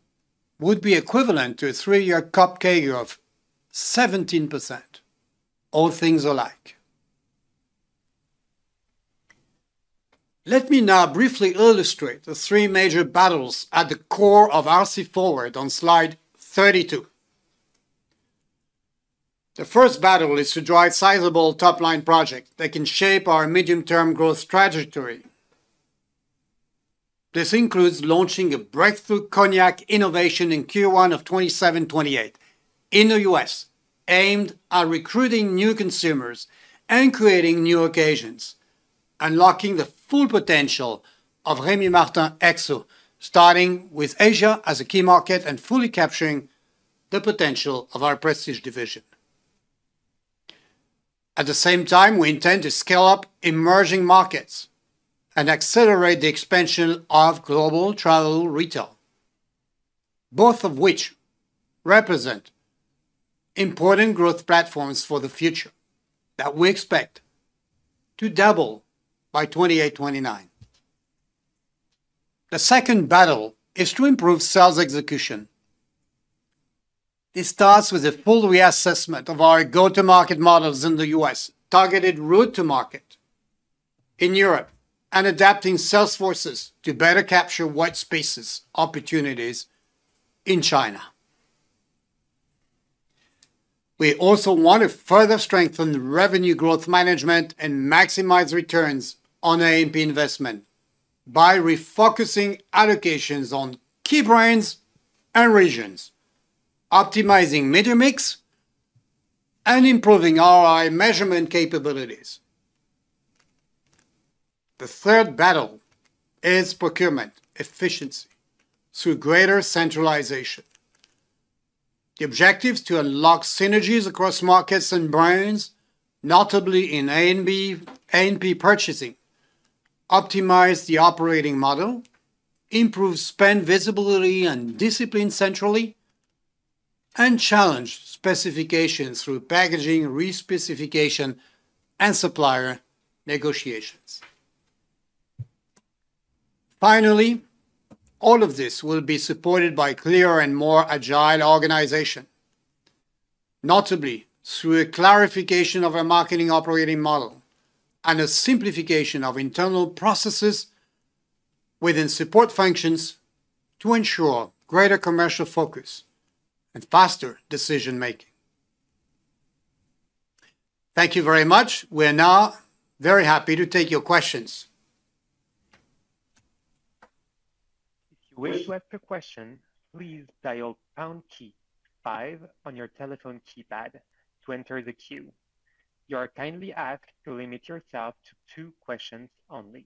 Speaker 2: would be equivalent to a three-year COP CAGR of 17%, all things alike. Let me now briefly illustrate the three major battles at the core of RC Forward on slide 32. The first battle is to drive sizable top-line project that can shape our medium-term growth trajectory. This includes launching a breakthrough cognac innovation in Q1 of 2027/2028 in the U.S., aimed at recruiting new consumers and creating new occasions, unlocking the full potential of Rémy Martin XO, starting with Asia as a key market and fully capturing the potential of our prestige division. At the same time, we intend to scale up emerging markets and accelerate the expansion of global travel retail, both of which represent important growth platforms for the future that we expect to double by 2028/2029. The second battle is to improve sales execution. This starts with a full reassessment of our go-to-market models in the U.S., targeted route to market in Europe, and adapting sales forces to better capture white spaces opportunities in China. We also want to further strengthen revenue growth management and maximize returns on A&P investment by refocusing allocations on key brands and regions, optimizing media mix, and improving ROI measurement capabilities. The third battle is procurement efficiency through greater centralization. The objective is to unlock synergies across markets and brands, notably in A&P purchasing, optimize the operating model, improve spend visibility and discipline centrally, and challenge specifications through packaging re-specification and supplier negotiations. Finally, all of this will be supported by clearer and more agile organization, notably through a clarification of our marketing operating model and a simplification of internal processes within support functions to ensure greater commercial focus and faster decision-making. Thank you very much. We are now very happy to take your questions.
Speaker 4: If you wish to ask a question, please dial pound key five on your telephone keypad to enter the queue. You are kindly asked to limit yourself to two questions only.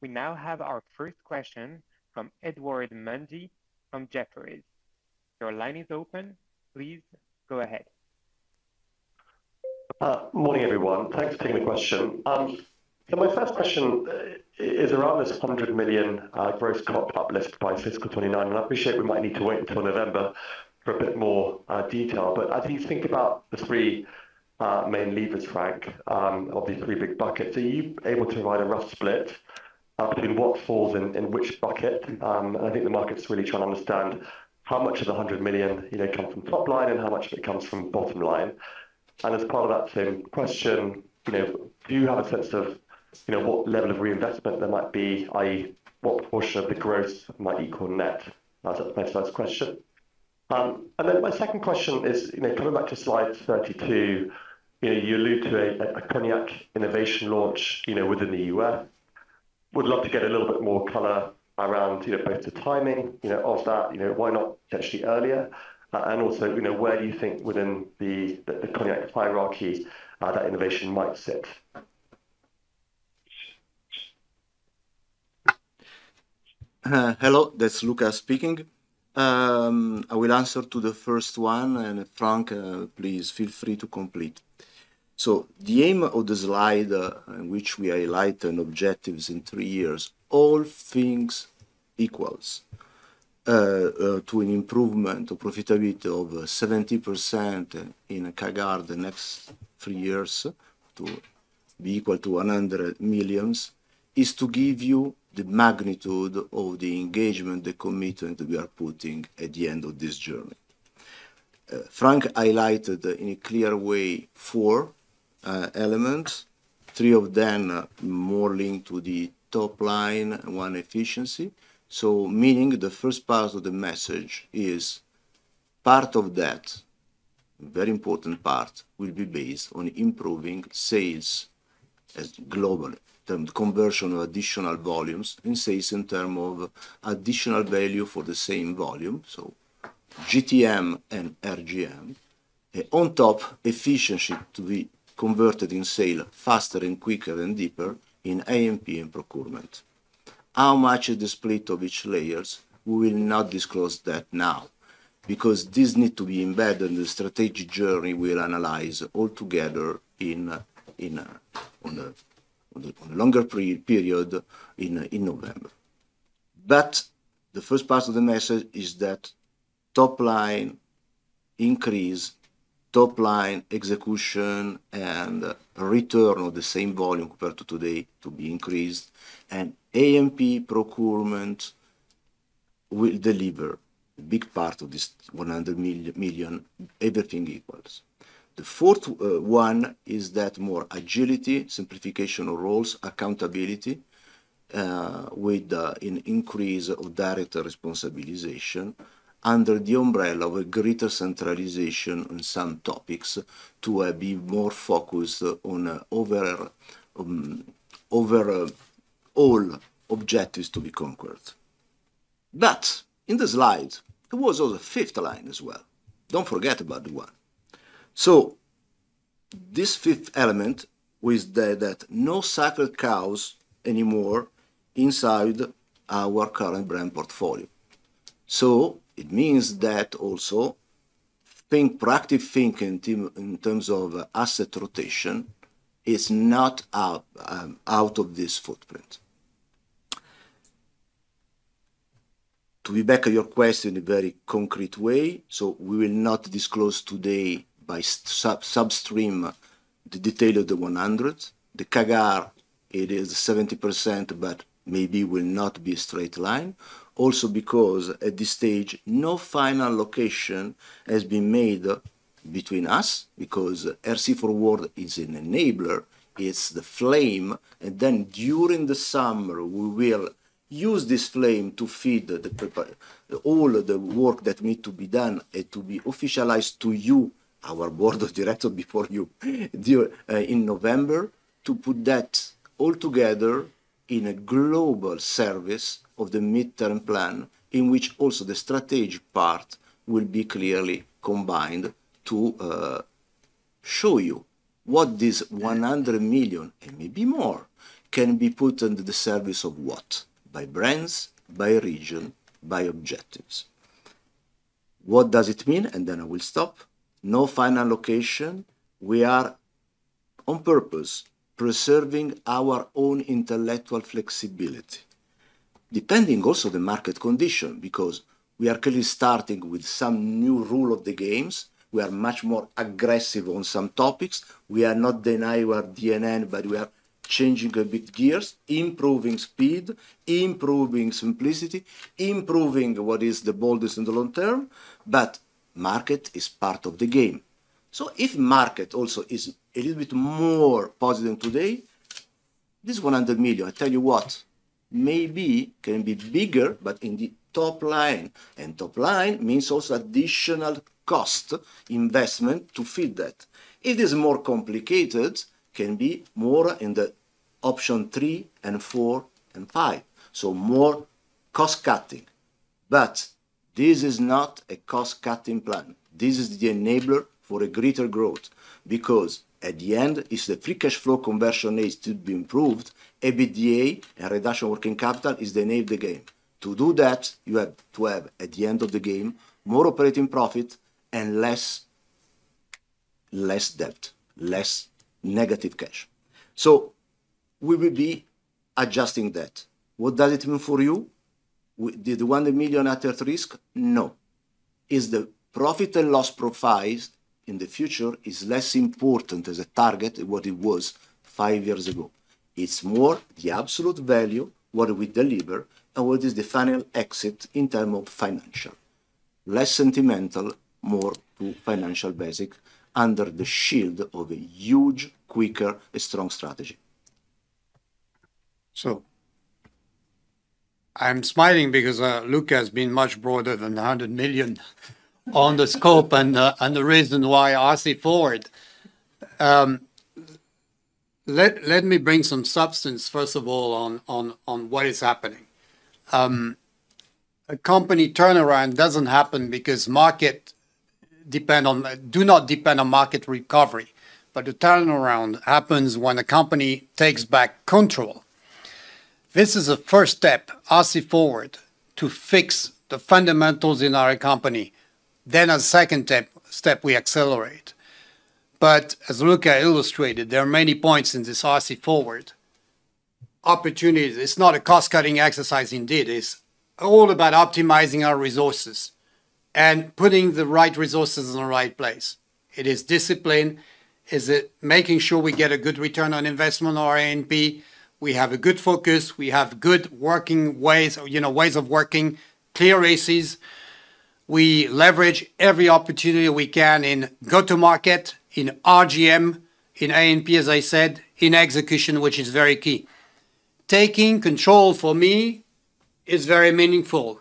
Speaker 4: We now have our first question from Edward Mundy from Jefferies. Your line is open. Please go ahead.
Speaker 5: Morning, everyone. Thanks for taking the question. My first question is around this 100 million gross COP uplift by fiscal 2029. I appreciate we might need to wait until November for a bit more detail. As you think about the three main levers, Franck, of these three big buckets, are you able to provide a rough split between what falls in which bucket? I think the market's really trying to understand how much of the 100 million comes from top line and how much of it comes from bottom line. As part of that same question, do you have a sense of what level of reinvestment there might be, i.e., what portion of the gross might equal net? That's the first question. My second question is, coming back to slide 32, you allude to a cognac innovation launch within the U.S. Would love to get a little bit more color around both the timing of that, why not potentially earlier? Also, where do you think within the cognac hierarchy that innovation might sit?
Speaker 3: Hello, that's Luca speaking. I will answer to the first one, and Franck, please feel free to complete. The aim of the slide in which we highlight an objectives in three years, all things equals to an improvement of profitability of 70% in a CAGR the next three years to be equal to 100 million, is to give you the magnitude of the engagement, the commitment we are putting at the end of this journey. Franck highlighted in a clear way four elements, three of them more linked to the top line, one efficiency. Meaning the first part of the message is. Part of that, very important part, will be based on improving sales as global, the conversion of additional volumes in sales in term of additional value for the same volume, GTM and RGM. Efficiency to be converted in sales faster and quicker and deeper in A&P and procurement. How much is the split of each layer, we will not disclose that now, because this needs to be embedded in the strategic journey we'll analyze altogether on a longer period in November. The first part of the message is that top-line increase, top-line execution, and return of the same volume compared to today to be increased, and A&P procurement will deliver a big part of this 100 million, everything equals. The fourth one is that more agility, simplification of roles, accountability, with an increase of director responsibilization under the umbrella of a greater centralization on some topics to be more focused on overall objectives to be conquered. In the slides, there was also a fifth line as well. Don't forget about that one. This fifth element was that no sacred cows anymore inside our current brand portfolio. It means that also, proactive think in terms of asset rotation is not out of this footprint. To be back at your question in a very concrete way, we will not disclose today by sub stream the detail of the 100. The CAGR, it is 70%, but maybe will not be a straight line. Also because at this stage, no final allocation has been made between us, because RC Forward is an enabler, it's the flame. During the summer, we will use this flame to feed all of the work that need to be done and to be officialized to you, our Board of Directors, before you in November, to put that all together in a global service of the midterm plan, in which also the strategic part will be clearly combined to show you what this 100 million, and maybe more, can be put under the service of what. By brands, by region, by objectives. What does it mean? I will stop. No final allocation. We are on purpose preserving our own intellectual flexibility. Depending also the market condition, because we are clearly starting with some new rule of the games. We are much more aggressive on some topics. We are not deny our DNA, we are changing a bit gears, improving speed, improving simplicity, improving what is the boldest in the long term. Market is part of the game. If market also is a little bit more positive than today, this 100 million, I tell you what, maybe can be bigger, but in the top line. Top line means also additional cost investment to feed that. It is more complicated, can be more in the option three and four and five, so more cost-cutting. This is not a cost-cutting plan. This is the enabler for a greater growth. At the end, if the free cash flow conversion needs to be improved, EBITDA and reduction working capital is the name of the game. To do that, you have to have, at the end of the game, more operating profit and less debt, less negative cash. We will be adjusting that. What does it mean for you? The 100 million at risk? No. Is the profit and loss profiles in the future is less important as a target what it was five years ago. It's more the absolute value, what we deliver, and what is the final exit in term of financial. Less sentimental, more to financial basic under the shield of a huge, quicker, strong strategy.
Speaker 2: I'm smiling because, Luca has been much broader than 100 million on the scope and the reason why RC Forward. Let me bring some substance, first of all, on what is happening. A company turnaround doesn't happen because market do not depend on market recovery, the turnaround happens when a company takes back control. This is a first step, RC Forward, to fix the fundamentals in our company. A second step, we accelerate. As Luca illustrated, there are many points in this RC Forward. Opportunity, it is not a cost-cutting exercise indeed. It is all about optimizing our resources and putting the right resources in the right place. It is discipline. It is making sure we get a good return on investment on our A&P. We have a good focus. We have good working ways, or ways of working, clear races. We leverage every opportunity we can in go-to market, in RGM, in A&P, as I said, in execution, which is very key. Taking control for me is very meaningful.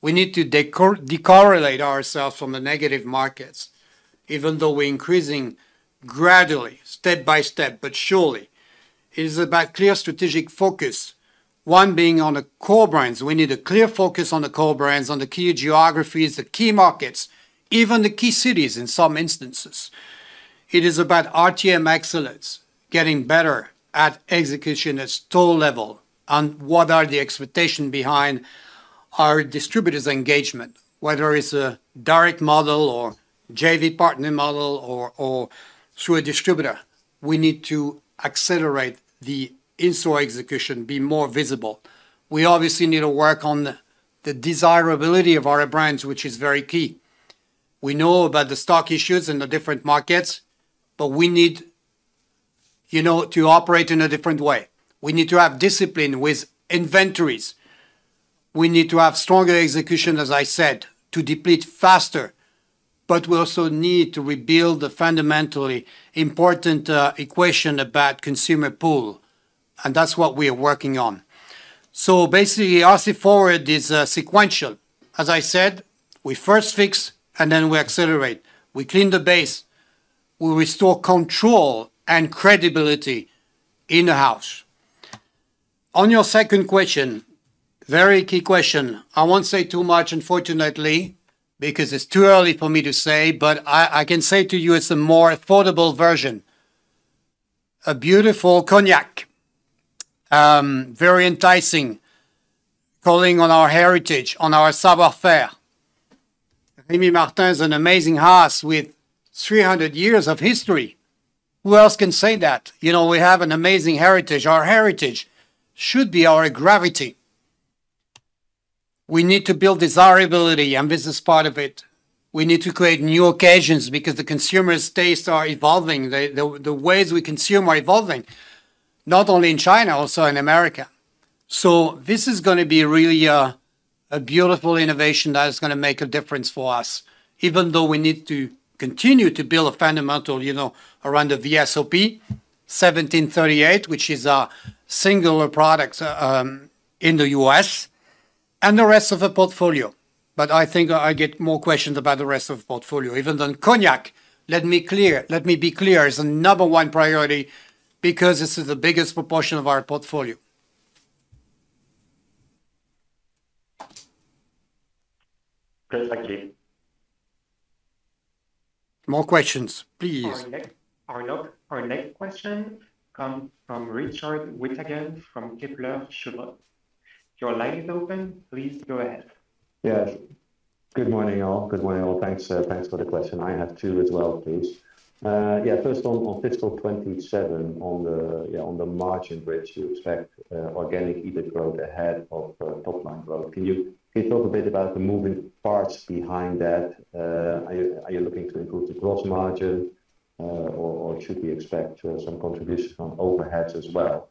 Speaker 2: We need to de-correlate ourselves from the negative markets, even though we're increasing gradually, step by step, but surely. It is about clear strategic focus, one being on the core brands. We need a clear focus on the core brands, on the key geographies, the key markets, even the key cities in some instances. It is about RTM excellence, getting better at execution at store level, and what are the expectation behind our distributors' engagement, whether it's a direct model or JV partner model, or through a distributor. We need to accelerate the in-store execution, be more visible. We obviously need to work on the desirability of our brands, which is very key. We know about the stock issues in the different markets. We need to operate in a different way. We need to have discipline with inventories. We need to have stronger execution, as I said, to deplete faster, but we also need to rebuild the fundamentally important equation about consumer pull, and that's what we are working on. Basically, our RC Forward is sequential. As I said, we first fix, and then we accelerate. We clean the base. We restore control and credibility in the house. On your second question, very key question. I won't say too much, unfortunately, because it's too early for me to say, but I can say to you it's a more affordable version. A beautiful cognac. Very enticing, calling on our heritage, on our savoir faire. Rémy Martin is an amazing house with 300 years of history. Who else can say that? We have an amazing heritage. Our heritage should be our gravity. We need to build desirability, and this is part of it. We need to create new occasions because the consumer's tastes are evolving. The ways we consume are evolving, not only in China, also in America. This is going to be really a beautiful innovation that is going to make a difference for us, even though we need to continue to build a fundamental around the VSOP 1738, which is our singular product in the U.S., and the rest of the portfolio. I think I get more questions about the rest of the portfolio. Even on cognac, let me be clear, is the number one priority because this is the biggest proportion of our portfolio.
Speaker 4: Perfectly.
Speaker 2: More questions, please.
Speaker 4: Our next question comes from Richard Withagen from Kepler Cheuvreux. Your line is open. Please go ahead.
Speaker 6: Yes. Good morning, all. Good morning, all. Thanks for the question. I have two as well, please. First on fiscal 2027, on the margin bridge, you expect organic EBIT growth ahead of top line growth. Can you please talk a bit about the moving parts behind that? Are you looking to improve the gross margin, or should we expect some contribution from overheads as well?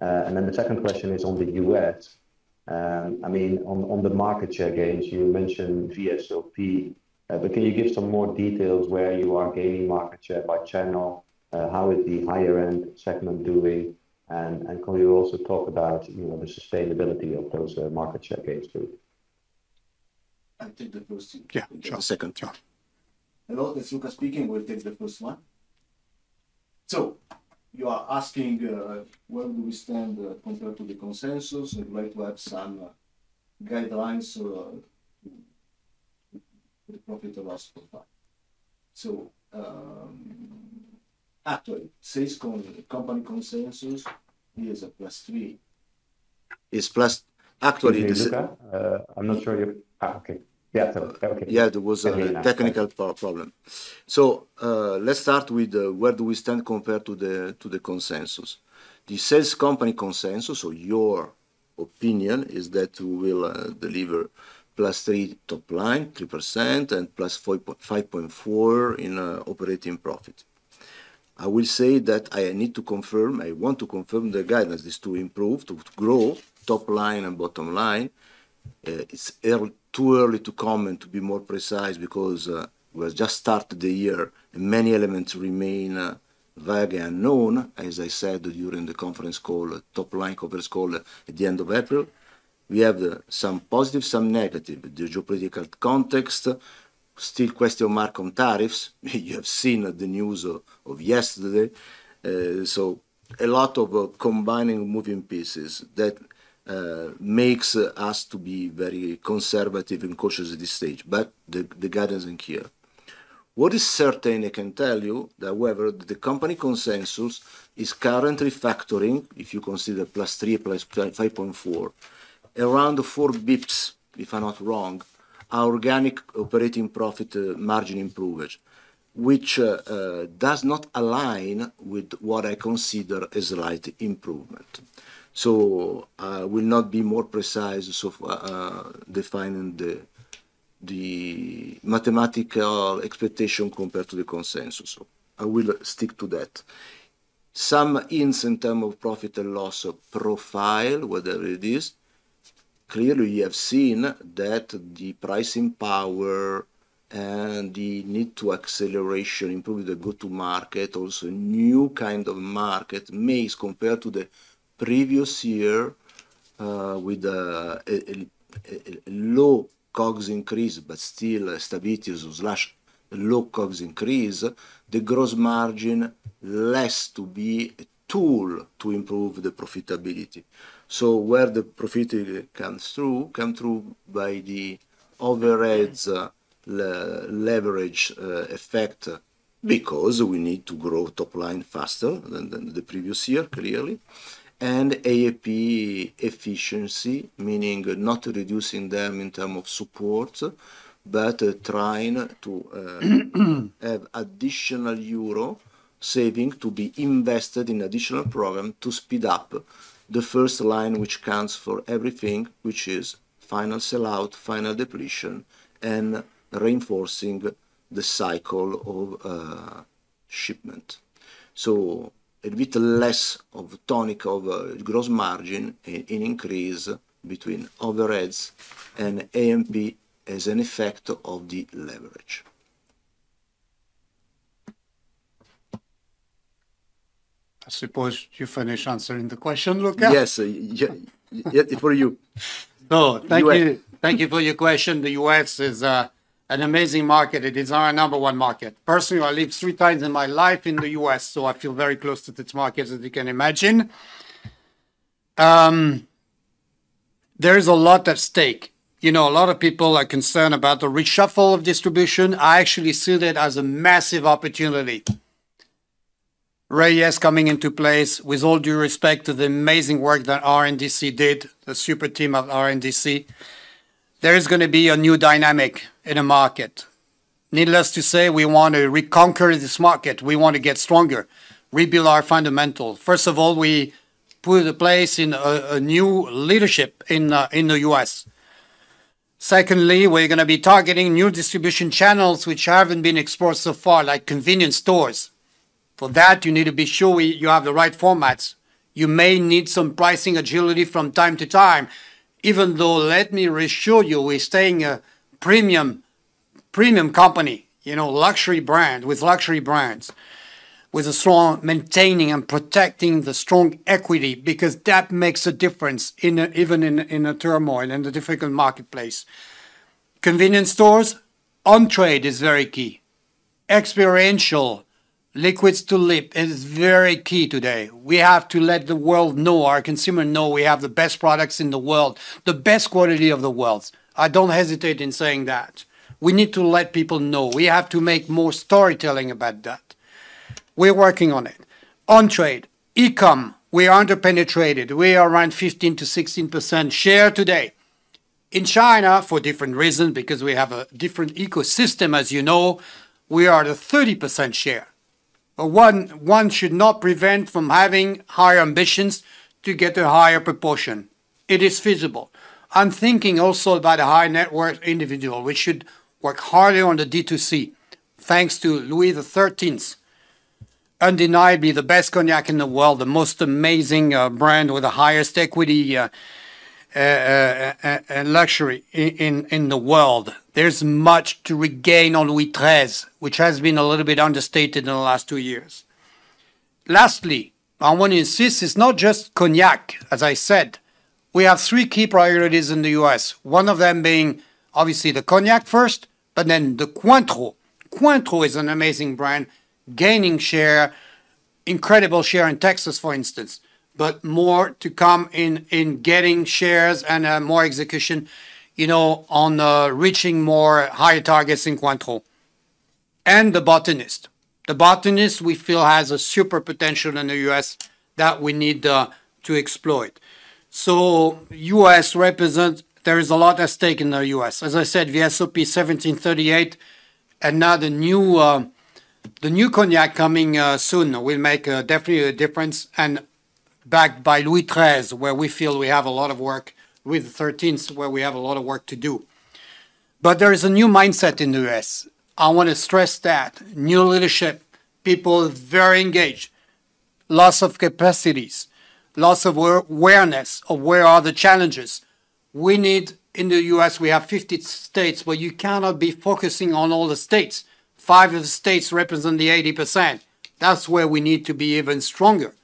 Speaker 6: The second question is on the U.S. On the market share gains, you mentioned VSOP, but can you give some more details where you are gaining market share by channel? How is the higher end segment doing? Can you also talk about the sustainability of those market share gains, too?
Speaker 3: I'll take the first.
Speaker 2: Yeah, sure.
Speaker 3: You can take the second. Sure. Hello, it's Luca speaking. We'll take the first one. You are asking, where do we stand, compared to the consensus? I'd like to have some guidelines on the profit loss profile. Actually, sales company consensus is a +3. Actually-
Speaker 2: Luca. Can you hear me, Luca? Okay. Yeah. Okay.
Speaker 3: Yeah, there was a technical problem. Let's start with where do we stand compared to the consensus. The sales company consensus or your opinion is that we will deliver +3 top line, 3%, and +5.4 in operating profit. I will say that I need to confirm, I want to confirm the guidance is to improve, to grow top line and bottom line. It's too early to comment, to be more precise, because we have just started the year and many elements remain vaguely unknown, as I said during the conference call, top line conference call at the end of April. We have some positive, some negative. The geopolitical context, still question mark on tariffs. You have seen the news of yesterday. A lot of combining moving pieces that makes us to be very conservative and cautious at this stage. The guidance is clear. What is certain, I can tell you, however, the company consensus is currently factoring, if you consider +3, +5.4, around 4 basis points, if I'm not wrong, our organic operating profit margin improvement, which does not align with what I consider a slight improvement. I will not be more precise defining the mathematical expectation compared to the consensus. I will stick to that. Some hints in terms of profit and loss profile. You have seen that the pricing power and the need to acceleration, improve the go-to-market, also new kind of market, maze compared to the previous year, with a low COGS increase, but still stability/low COGS increase, the gross margin less to be a tool to improve the profitability. Where the profitability come through by the overheads leverage effect, because we need to grow top line faster than the previous year, clearly. A&P efficiency, meaning not reducing them in terms of support, but trying to have additional EUR saving to be invested in additional program to speed up the first line, which accounts for everything, which is final sell-out, final depletion, and reinforcing the cycle of shipment. A bit less of tonic of gross margin in increase between overheads and A&P as an effect of the leverage.
Speaker 2: I suppose you finish answering the question, Luca.
Speaker 3: Yes. Yet for you.
Speaker 2: No, thank you. Thank you for your question. The U.S. is an amazing market. It is our number one market. Personally, I live three times in my life in the U.S., so I feel very close to this market, as you can imagine. There is a lot at stake. A lot of people are concerned about the reshuffle of distribution. I actually see that as a massive opportunity. Reyes coming into place, with all due respect to the amazing work that RNDC did, the super team of RNDC, there is going to be a new dynamic in the market. Needless to say, we want to reconquer this market. We want to get stronger, rebuild our fundamentals. First of all, we put in place a new leadership in the U.S. Secondly, we're going to be targeting new distribution channels which haven't been explored so far, like convenience stores. For that, you need to be sure you have the right formats. You may need some pricing agility from time to time. Even though, let me reassure you, we're staying a premium company, luxury brand with luxury brands, with a strong maintaining and protecting the strong equity, because that makes a difference even in a turmoil, in a difficult marketplace. Convenience stores, on-trade is very key. Experiential, liquids to lip is very key today. We have to let the world know, our consumer know we have the best products in the world, the best quality of the world. I don't hesitate in saying that. We need to let people know. We have to make more storytelling about that. We're working on it. On-trade, e-com, we aren't penetrated. We are around 15%-16% share today. In China, for different reasons, because we have a different ecosystem, as you know, we are at a 30% share. One should not prevent from having higher ambitions to get a higher proportion. It is feasible. I'm thinking also about a high-net-worth individual. We should work harder on the D2C. Thanks to Louis XIII, undeniably the best cognac in the world, the most amazing brand with the highest equity and luxury in the world. There's much to regain on Louis XIII, which has been a little bit understated in the last two years. Lastly, I want to insist, it's not just cognac, as I said. We have three key priorities in the U.S. One of them being, obviously, the cognac first, but then the Cointreau. Cointreau is an amazing brand, gaining share, incredible share in Texas, for instance. More to come in getting shares and more execution, on reaching more higher targets in Cointreau. The Botanist. The Botanist, we feel, has a super potential in the U.S. that we need to exploit. There is a lot at stake in the U.S. As I said, VSOP 1738, and now the new cognac coming soon, will make definitely a difference, and backed by Louis XIII, where we feel we have a lot of work, with the XIII, where we have a lot of work to do. There is a new mindset in the U.S. I want to stress that. New leadership, people very engaged, lots of capacities, lots of awareness of where are the challenges. We need, in the U.S., we have 50 states, but you cannot be focusing on all the states. Five of the states represent the 80%. That's where we need to be even stronger,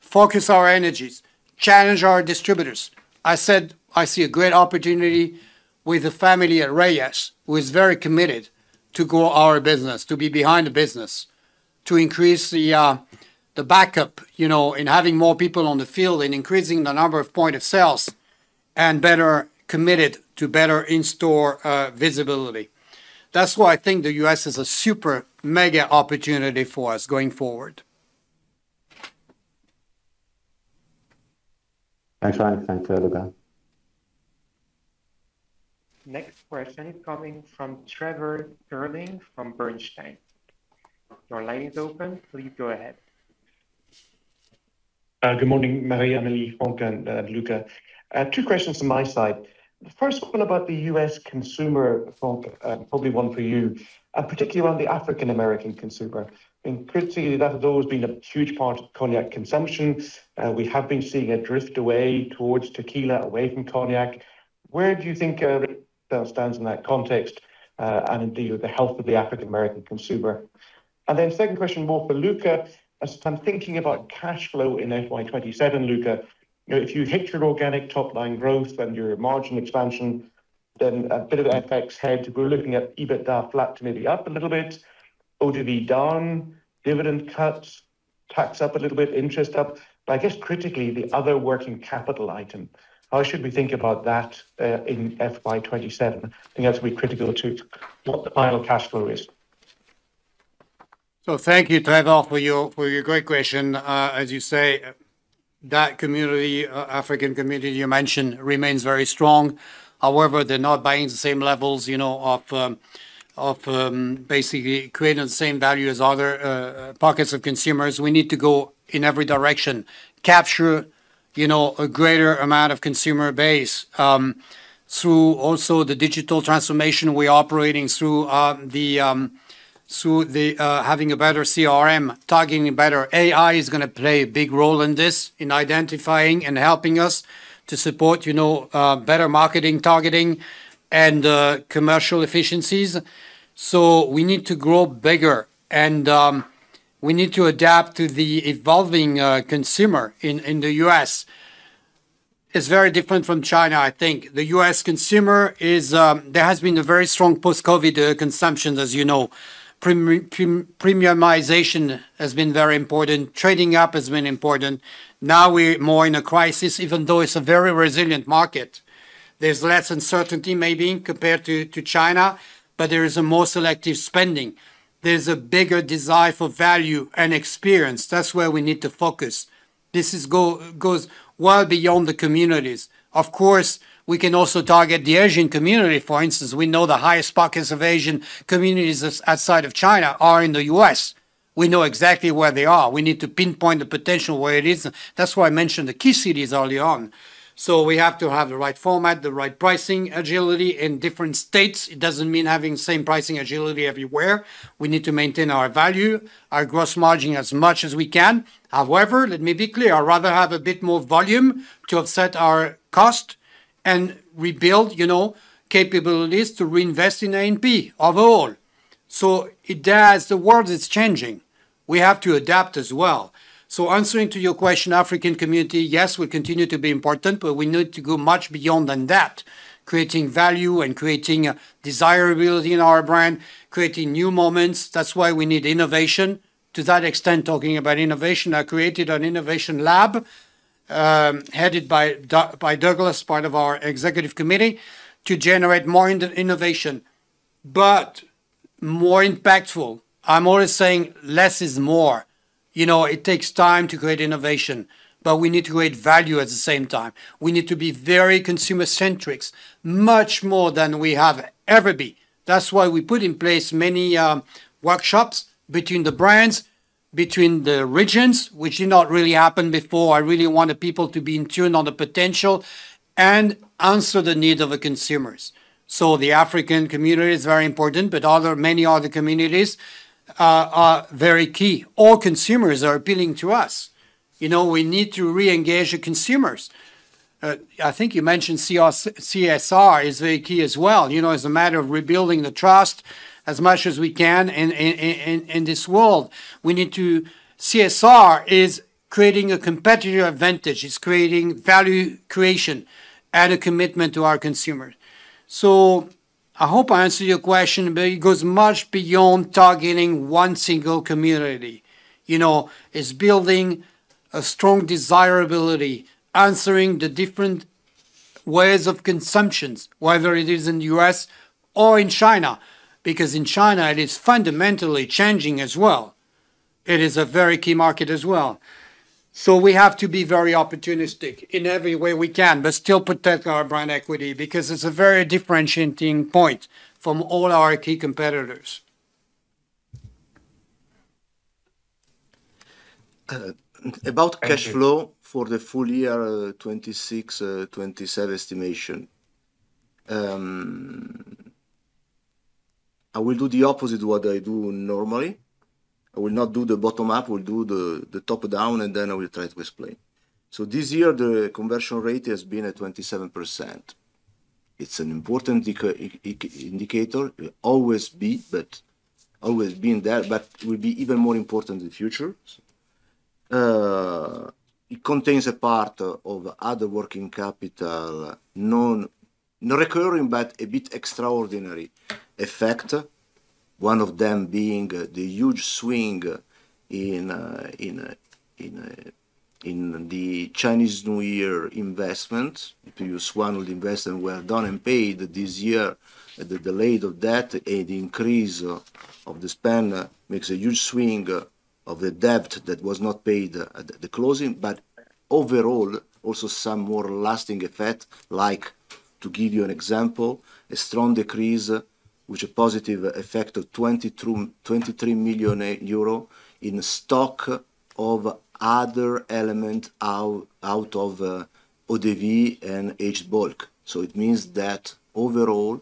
Speaker 2: focus our energies, challenge our distributors. I said I see a great opportunity with the family at Reyes, who is very committed to grow our business, to be behind the business, to increase the backup, in having more people on the field, in increasing the number of point of sales, and better committed to better in-store visibility. That's why I think the U.S. is a super, mega opportunity for us going forward.
Speaker 6: Thanks, Franck. Thank you, Luca.
Speaker 4: Next question coming from Trevor Stirling from Bernstein. Your line is open. Please go ahead.
Speaker 7: Good morning, Marie-Amélie, Franck, and Luca. Two questions from my side. About the U.S. consumer, Franck, probably one for you, particularly around the African American consumer. Critically, that has always been a huge part of cognac consumption. We have been seeing a drift away towards tequila, away from cognac. Where do you think Rémy Cointreau stands in that context? Indeed, with the health of the African American consumer. Second question more for Luca, as I'm thinking about cash flow in FY 2027, Luca, if you hit your organic top-line growth and your margin expansion, a bit of FX head, we're looking at EBITDA flat to maybe up a little bit, OTB down, dividend cut, tax up a little bit, interest up. Critically, the other working capital item, how should we think about that, in FY 2027? I think that'll be critical to what the final cash flow is.
Speaker 2: Thank you, Trevor, for your great question. As you say, that community, African community you mentioned, remains very strong. However, they're not buying the same levels of basically creating the same value as other pockets of consumers. We need to go in every direction, capture a greater amount of consumer base, through also the digital transformation we're operating, through having a better CRM, targeting better. AI is going to play a big role in this, in identifying and helping us to support better marketing targeting and commercial efficiencies. We need to grow bigger, and we need to adapt to the evolving consumer in the U.S. It's very different from China, I think. There has been a very strong post-COVID consumption, as you know. Premiumization has been very important. Trading up has been important. We're more in a crisis, even though it's a very resilient market. There's less uncertainty maybe compared to China, there is a more selective spending. There's a bigger desire for value and experience. That's where we need to focus. This goes well beyond the communities. Of course, we can also target the Asian community, for instance. We know the highest pockets of Asian communities outside of China are in the U.S. We know exactly where they are. We need to pinpoint the potential where it is. That's why I mentioned the key cities early on. We have to have the right format, the right pricing agility in different states. It doesn't mean having the same pricing agility everywhere. We need to maintain our value, our gross margin as much as we can. However, let me be clear, I'd rather have a bit more volume to offset our cost and rebuild capabilities to reinvest in A&P overall. As the world is changing, we have to adapt as well. Answering to your question, African community, yes, will continue to be important, but we need to go much beyond than that. Creating value and creating desirability in our brand, creating new moments. That's why we need innovation. To that extent, talking about innovation, I created an innovation lab, headed by Douglas, part of our executive committee, to generate more innovation, but more impactful. I'm always saying less is more. It takes time to create innovation, but we need to create value at the same time. We need to be very consumer-centric, much more than we have ever been. That's why we put in place many workshops between the brands, between the regions, which did not really happen before. I really wanted people to be in tune on the potential and answer the needs of the consumers. The African community is very important, but many other communities are very key. All consumers are appealing to us. We need to reengage the consumers. I think you mentioned CSR is very key as well. As a matter of rebuilding the trust as much as we can in this world. CSR is creating a competitive advantage. It's creating value creation and a commitment to our consumers. I hope I answered your question, but it goes much beyond targeting one single community. It's building a strong desirability, answering the different ways of consumptions, whether it is in the U.S. or in China, because in China, it is fundamentally changing as well. It is a very key market as well. We have to be very opportunistic in every way we can, but still protect our brand equity because it's a very differentiating point from all our key competitors.
Speaker 3: About cash flow for the full year 2026/2027 estimation. I will do the opposite what I do normally. I will not do the bottom-up. We will do the top-down, and then I will try to explain. This year, the conversion rate has been at 27%. It's an important indicator. It always be, but always been there, but will be even more important in the future. It contains a part of other working capital, non-recurring, but a bit extraordinary effect. One of them being the huge swing in the Chinese New Year investment. If you sum all the investment well done and paid this year, the delayed of that and the increase of the spend makes a huge swing of the debt that was not paid at the closing. Overall, also some more lasting effect, like to give you an example, a strong decrease with a positive effect of 23 million euro in stock of other element out of ODV and H Bulk. It means that overall,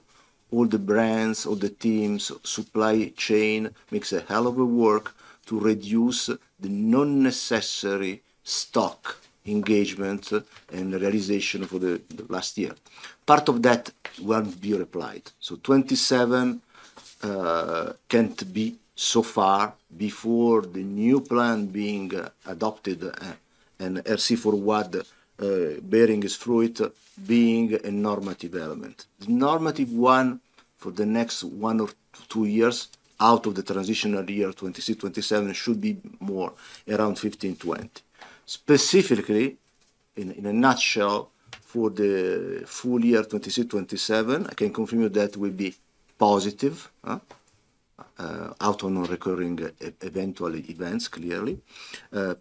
Speaker 3: all the brands, all the teams, supply chain makes a hell of a work to reduce the non-necessary stock engagement and realization for the last year. Part of that won't be applied. 2027 can't be so far before the new plan being adopted and RC Forward bearing its fruit being a normative element. The normative one for the next one or two years out of the transitional year 2026, 2027 should be more around 15%-20%. Specifically, in a nutshell, for the full year 2026/2027, I can confirm you that will be positive, out of non-recurring events, clearly.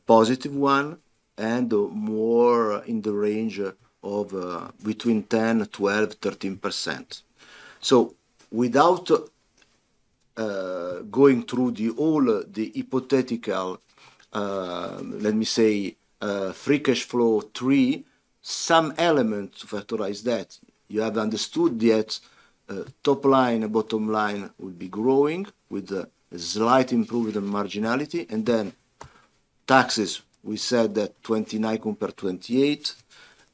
Speaker 3: Positive one and more in the range of between 10% to 12% to 13%. Without going through all the hypothetical, let me say, free cash flow three, some elements factorize that. You have understood yet top line and bottom line will be growing with a slight improvement in marginality. Taxes, we said that 29 compared 28.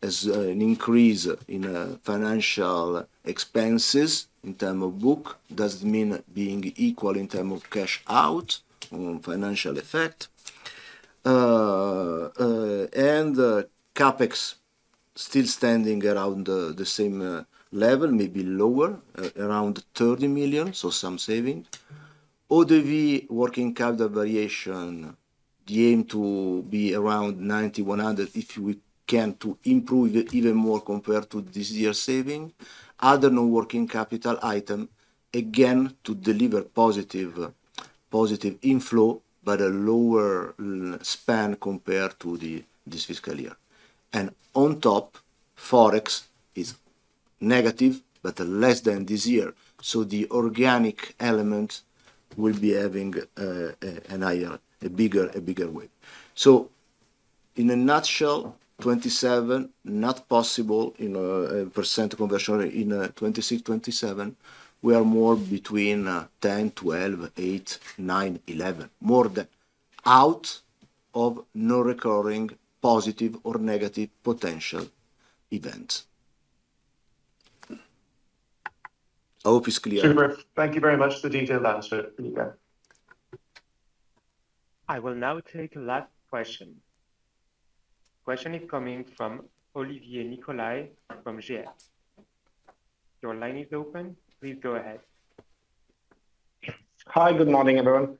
Speaker 3: An increase in financial expenses in terms of book, does it mean being equal in terms of cash out on financial effect? CapEx still standing around the same level, maybe lower, around 30 million, some saving. ODV working capital variation, the aim to be around 90-100 if we can to improve even more compared to this year's saving. Other non-working capital item, again, to deliver positive inflow, a lower span compared to this fiscal year. On top, Forex is negative, less than this year. The organic element will be having a bigger way. In a nutshell, 2027 not possible in a percent conversion in 2026/2027. We are more between 10%, 12%, 8%, 9%, 11%, more than out of non-recurring positive or negative potential event. I hope it's clear.
Speaker 7: Super. Thank you very much for the detailed answer, Luca.
Speaker 4: I will now take last question. Question is coming from Olivier Nicolai from GS. Your line is open. Please go ahead.
Speaker 8: Hi, good morning, everyone.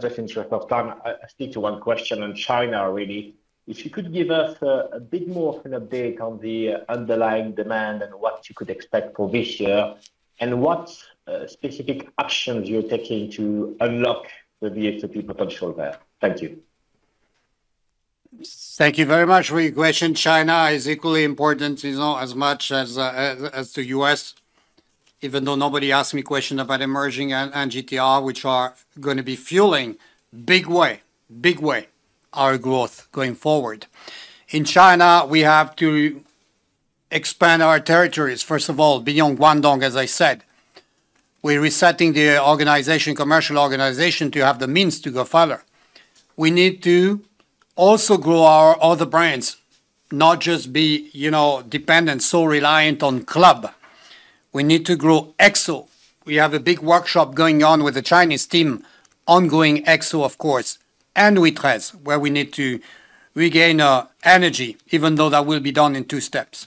Speaker 8: Just in short of time, I stick to one question on China, really. If you could give us a bit more of an update on the underlying demand and what you could expect for this year, and what specific actions you're taking to unlock the VSOP potential there. Thank you.
Speaker 2: Thank you very much for your question. China is equally important as much as the U.S., even though nobody asked me a question about emerging and GTR, which are going to be fueling big way our growth going forward. In China, we have to expand our territories, first of all, beyond Guangdong, as I said. We're resetting the commercial organization to have the means to go further. We need to also grow our other brands, not just be dependent, so reliant on Club. We need to grow XO. We have a big workshop going on with the Chinese team, ongoing XO, of course, and Witres, where we need to regain our energy, even though that will be done in two steps.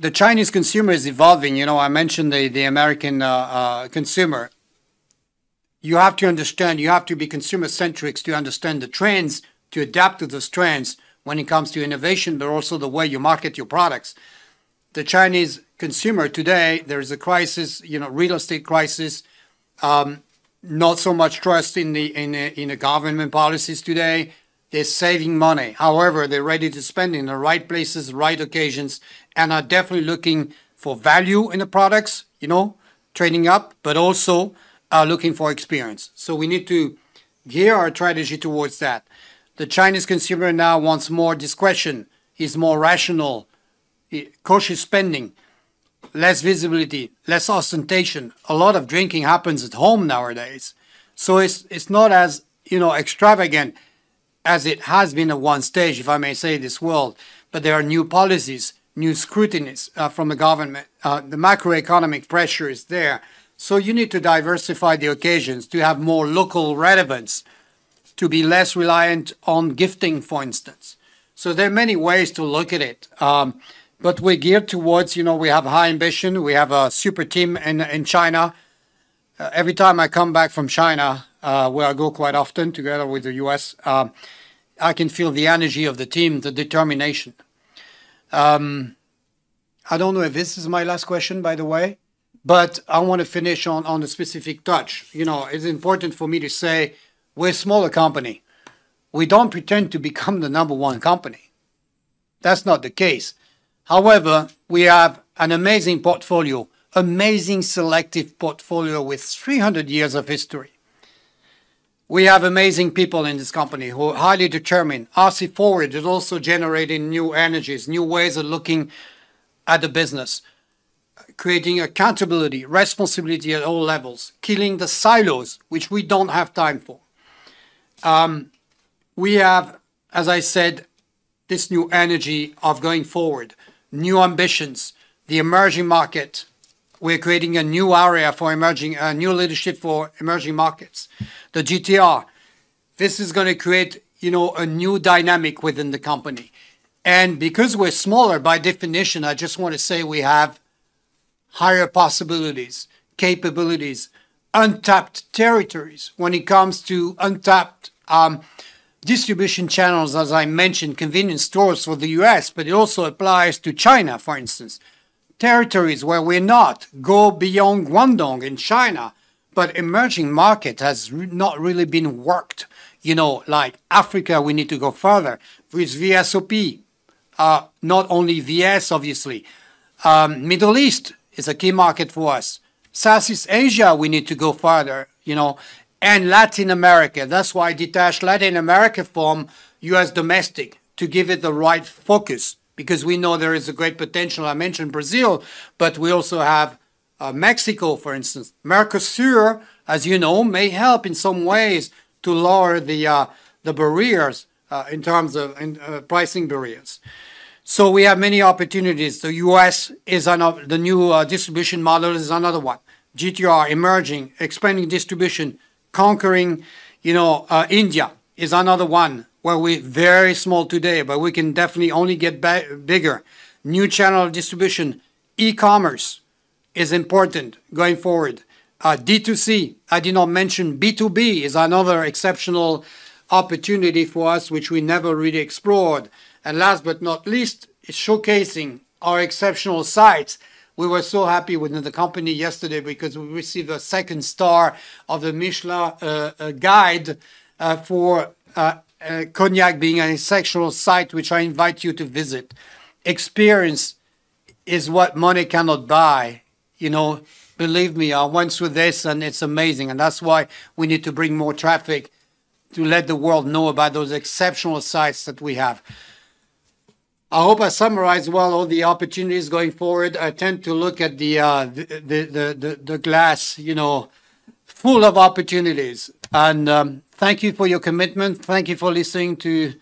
Speaker 2: The Chinese consumer is evolving. I mentioned the American consumer. You have to understand, you have to be consumer-centric to understand the trends, to adapt to those trends when it comes to innovation, but also the way you market your products. The Chinese consumer today, there is a crisis, real estate crisis, not so much trust in the government policies today. They're saving money. However, they're ready to spend in the right places, right occasions, and are definitely looking for value in the products, trading up, but also are looking for experience. We need to gear our strategy towards that. The Chinese consumer now wants more discretion, he's more rational, cautious spending, less visibility, less ostentation. A lot of drinking happens at home nowadays. It's not as extravagant as it has been at one stage, if I may say, this world. There are new policies, new scrutinies from the government. The macroeconomic pressure is there. You need to diversify the occasions to have more local relevance, to be less reliant on gifting, for instance. There are many ways to look at it. We're geared towards, we have high ambition, we have a super team in China. Every time I come back from China, where I go quite often together with the U.S., I can feel the energy of the team, the determination. I don't know if this is my last question, by the way, but I want to finish on a specific touch. It's important for me to say we're a smaller company. We don't pretend to become the number one company That's not the case. However, we have an amazing portfolio, amazing selective portfolio with 300 years of history. We have amazing people in this company who are highly determined. RC Forward is also generating new energies, new ways of looking at the business, creating accountability, responsibility at all levels, killing the silos, which we don't have time for. We have, as I said, this new energy of going forward, new ambitions, the emerging market. We're creating a new leadership for emerging markets. The GTR. This is going to create a new dynamic within the company. Because we're smaller, by definition, I just want to say we have higher possibilities, capabilities, untapped territories when it comes to untapped distribution channels, as I mentioned, convenience stores for the U.S., but it also applies to China, for instance. Territories where we're not, go beyond Guangdong in China. Emerging market has not really been worked. Like Africa, we need to go further with VSOP, not only VS, obviously. Middle East is a key market for us. Southeast Asia, we need to go further. Latin America, that's why I detached Latin America from U.S. domestic, to give it the right focus, because we know there is a great potential. I mentioned Brazil. We also have Mexico, for instance. Mercosur, as you know, may help in some ways to lower the barriers in terms of pricing barriers. We have many opportunities. The U.S. is another, the new distribution model is another one. GTR emerging, expanding distribution, conquering India is another one where we're very small today. We can definitely only get bigger. New channel of distribution. E-commerce is important going forward. D2C, I did not mention B2B is another exceptional opportunity for us, which we never really explored. Last but not least, is showcasing our exceptional sites. We were so happy within the company yesterday because we received a second star of the Michelin Guide for cognac being an exceptional site, which I invite you to visit. Experience is what money cannot buy. Believe me, I went through this, and it's amazing, and that's why we need to bring more traffic to let the world know about those exceptional sites that we have. I hope I summarized well all the opportunities going forward. I tend to look at the glass full of opportunities. Thank you for your commitment. Thank you for listening to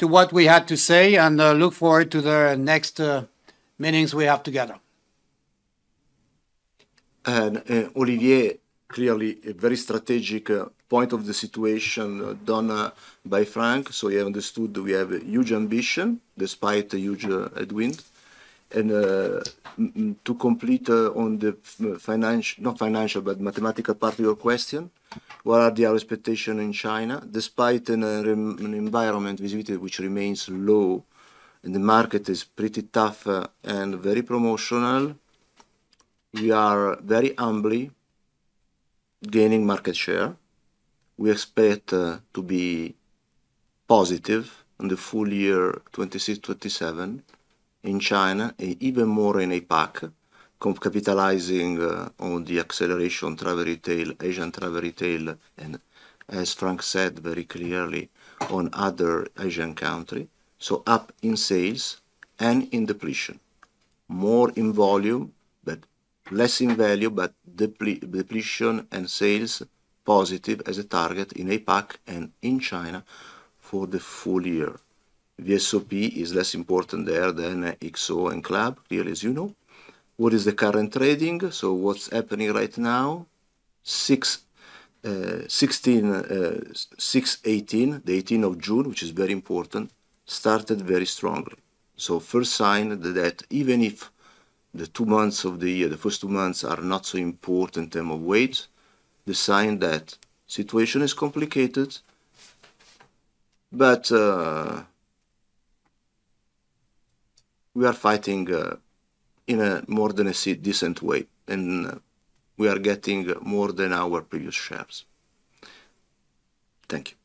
Speaker 2: what we had to say, and I look forward to the next meetings we have together.
Speaker 3: Olivier, clearly, a very strategic point of the situation done by Franck. You understood we have a huge ambition, despite the huge headwind. To complete on the financial, not financial, but mathematical part of your question, what are our expectation in China? Despite an environment, visibility which remains low, the market is pretty tough and very promotional, we are very humbly gaining market share. We expect to be positive on the full year 2026, 2027 in China, even more in APAC, capitalizing on the acceleration travel retail, Asian travel retail, and as Franck said very clearly, on other Asian country. Up in sales and in depletion. More in volume, less in value, depletion and sales positive as a target in APAC and in China for the full year. VSOP is less important there than XO and Club, clearly as you know. What is the current trading? What's happening right now? Six, 18, the 18th of June, which is very important, started very strongly. First sign that even if the two months of the year, the first two months are not so important in terms of weight, the sign that situation is complicated. We are fighting in a more than a decent way, and we are getting more than our previous shares. Thank you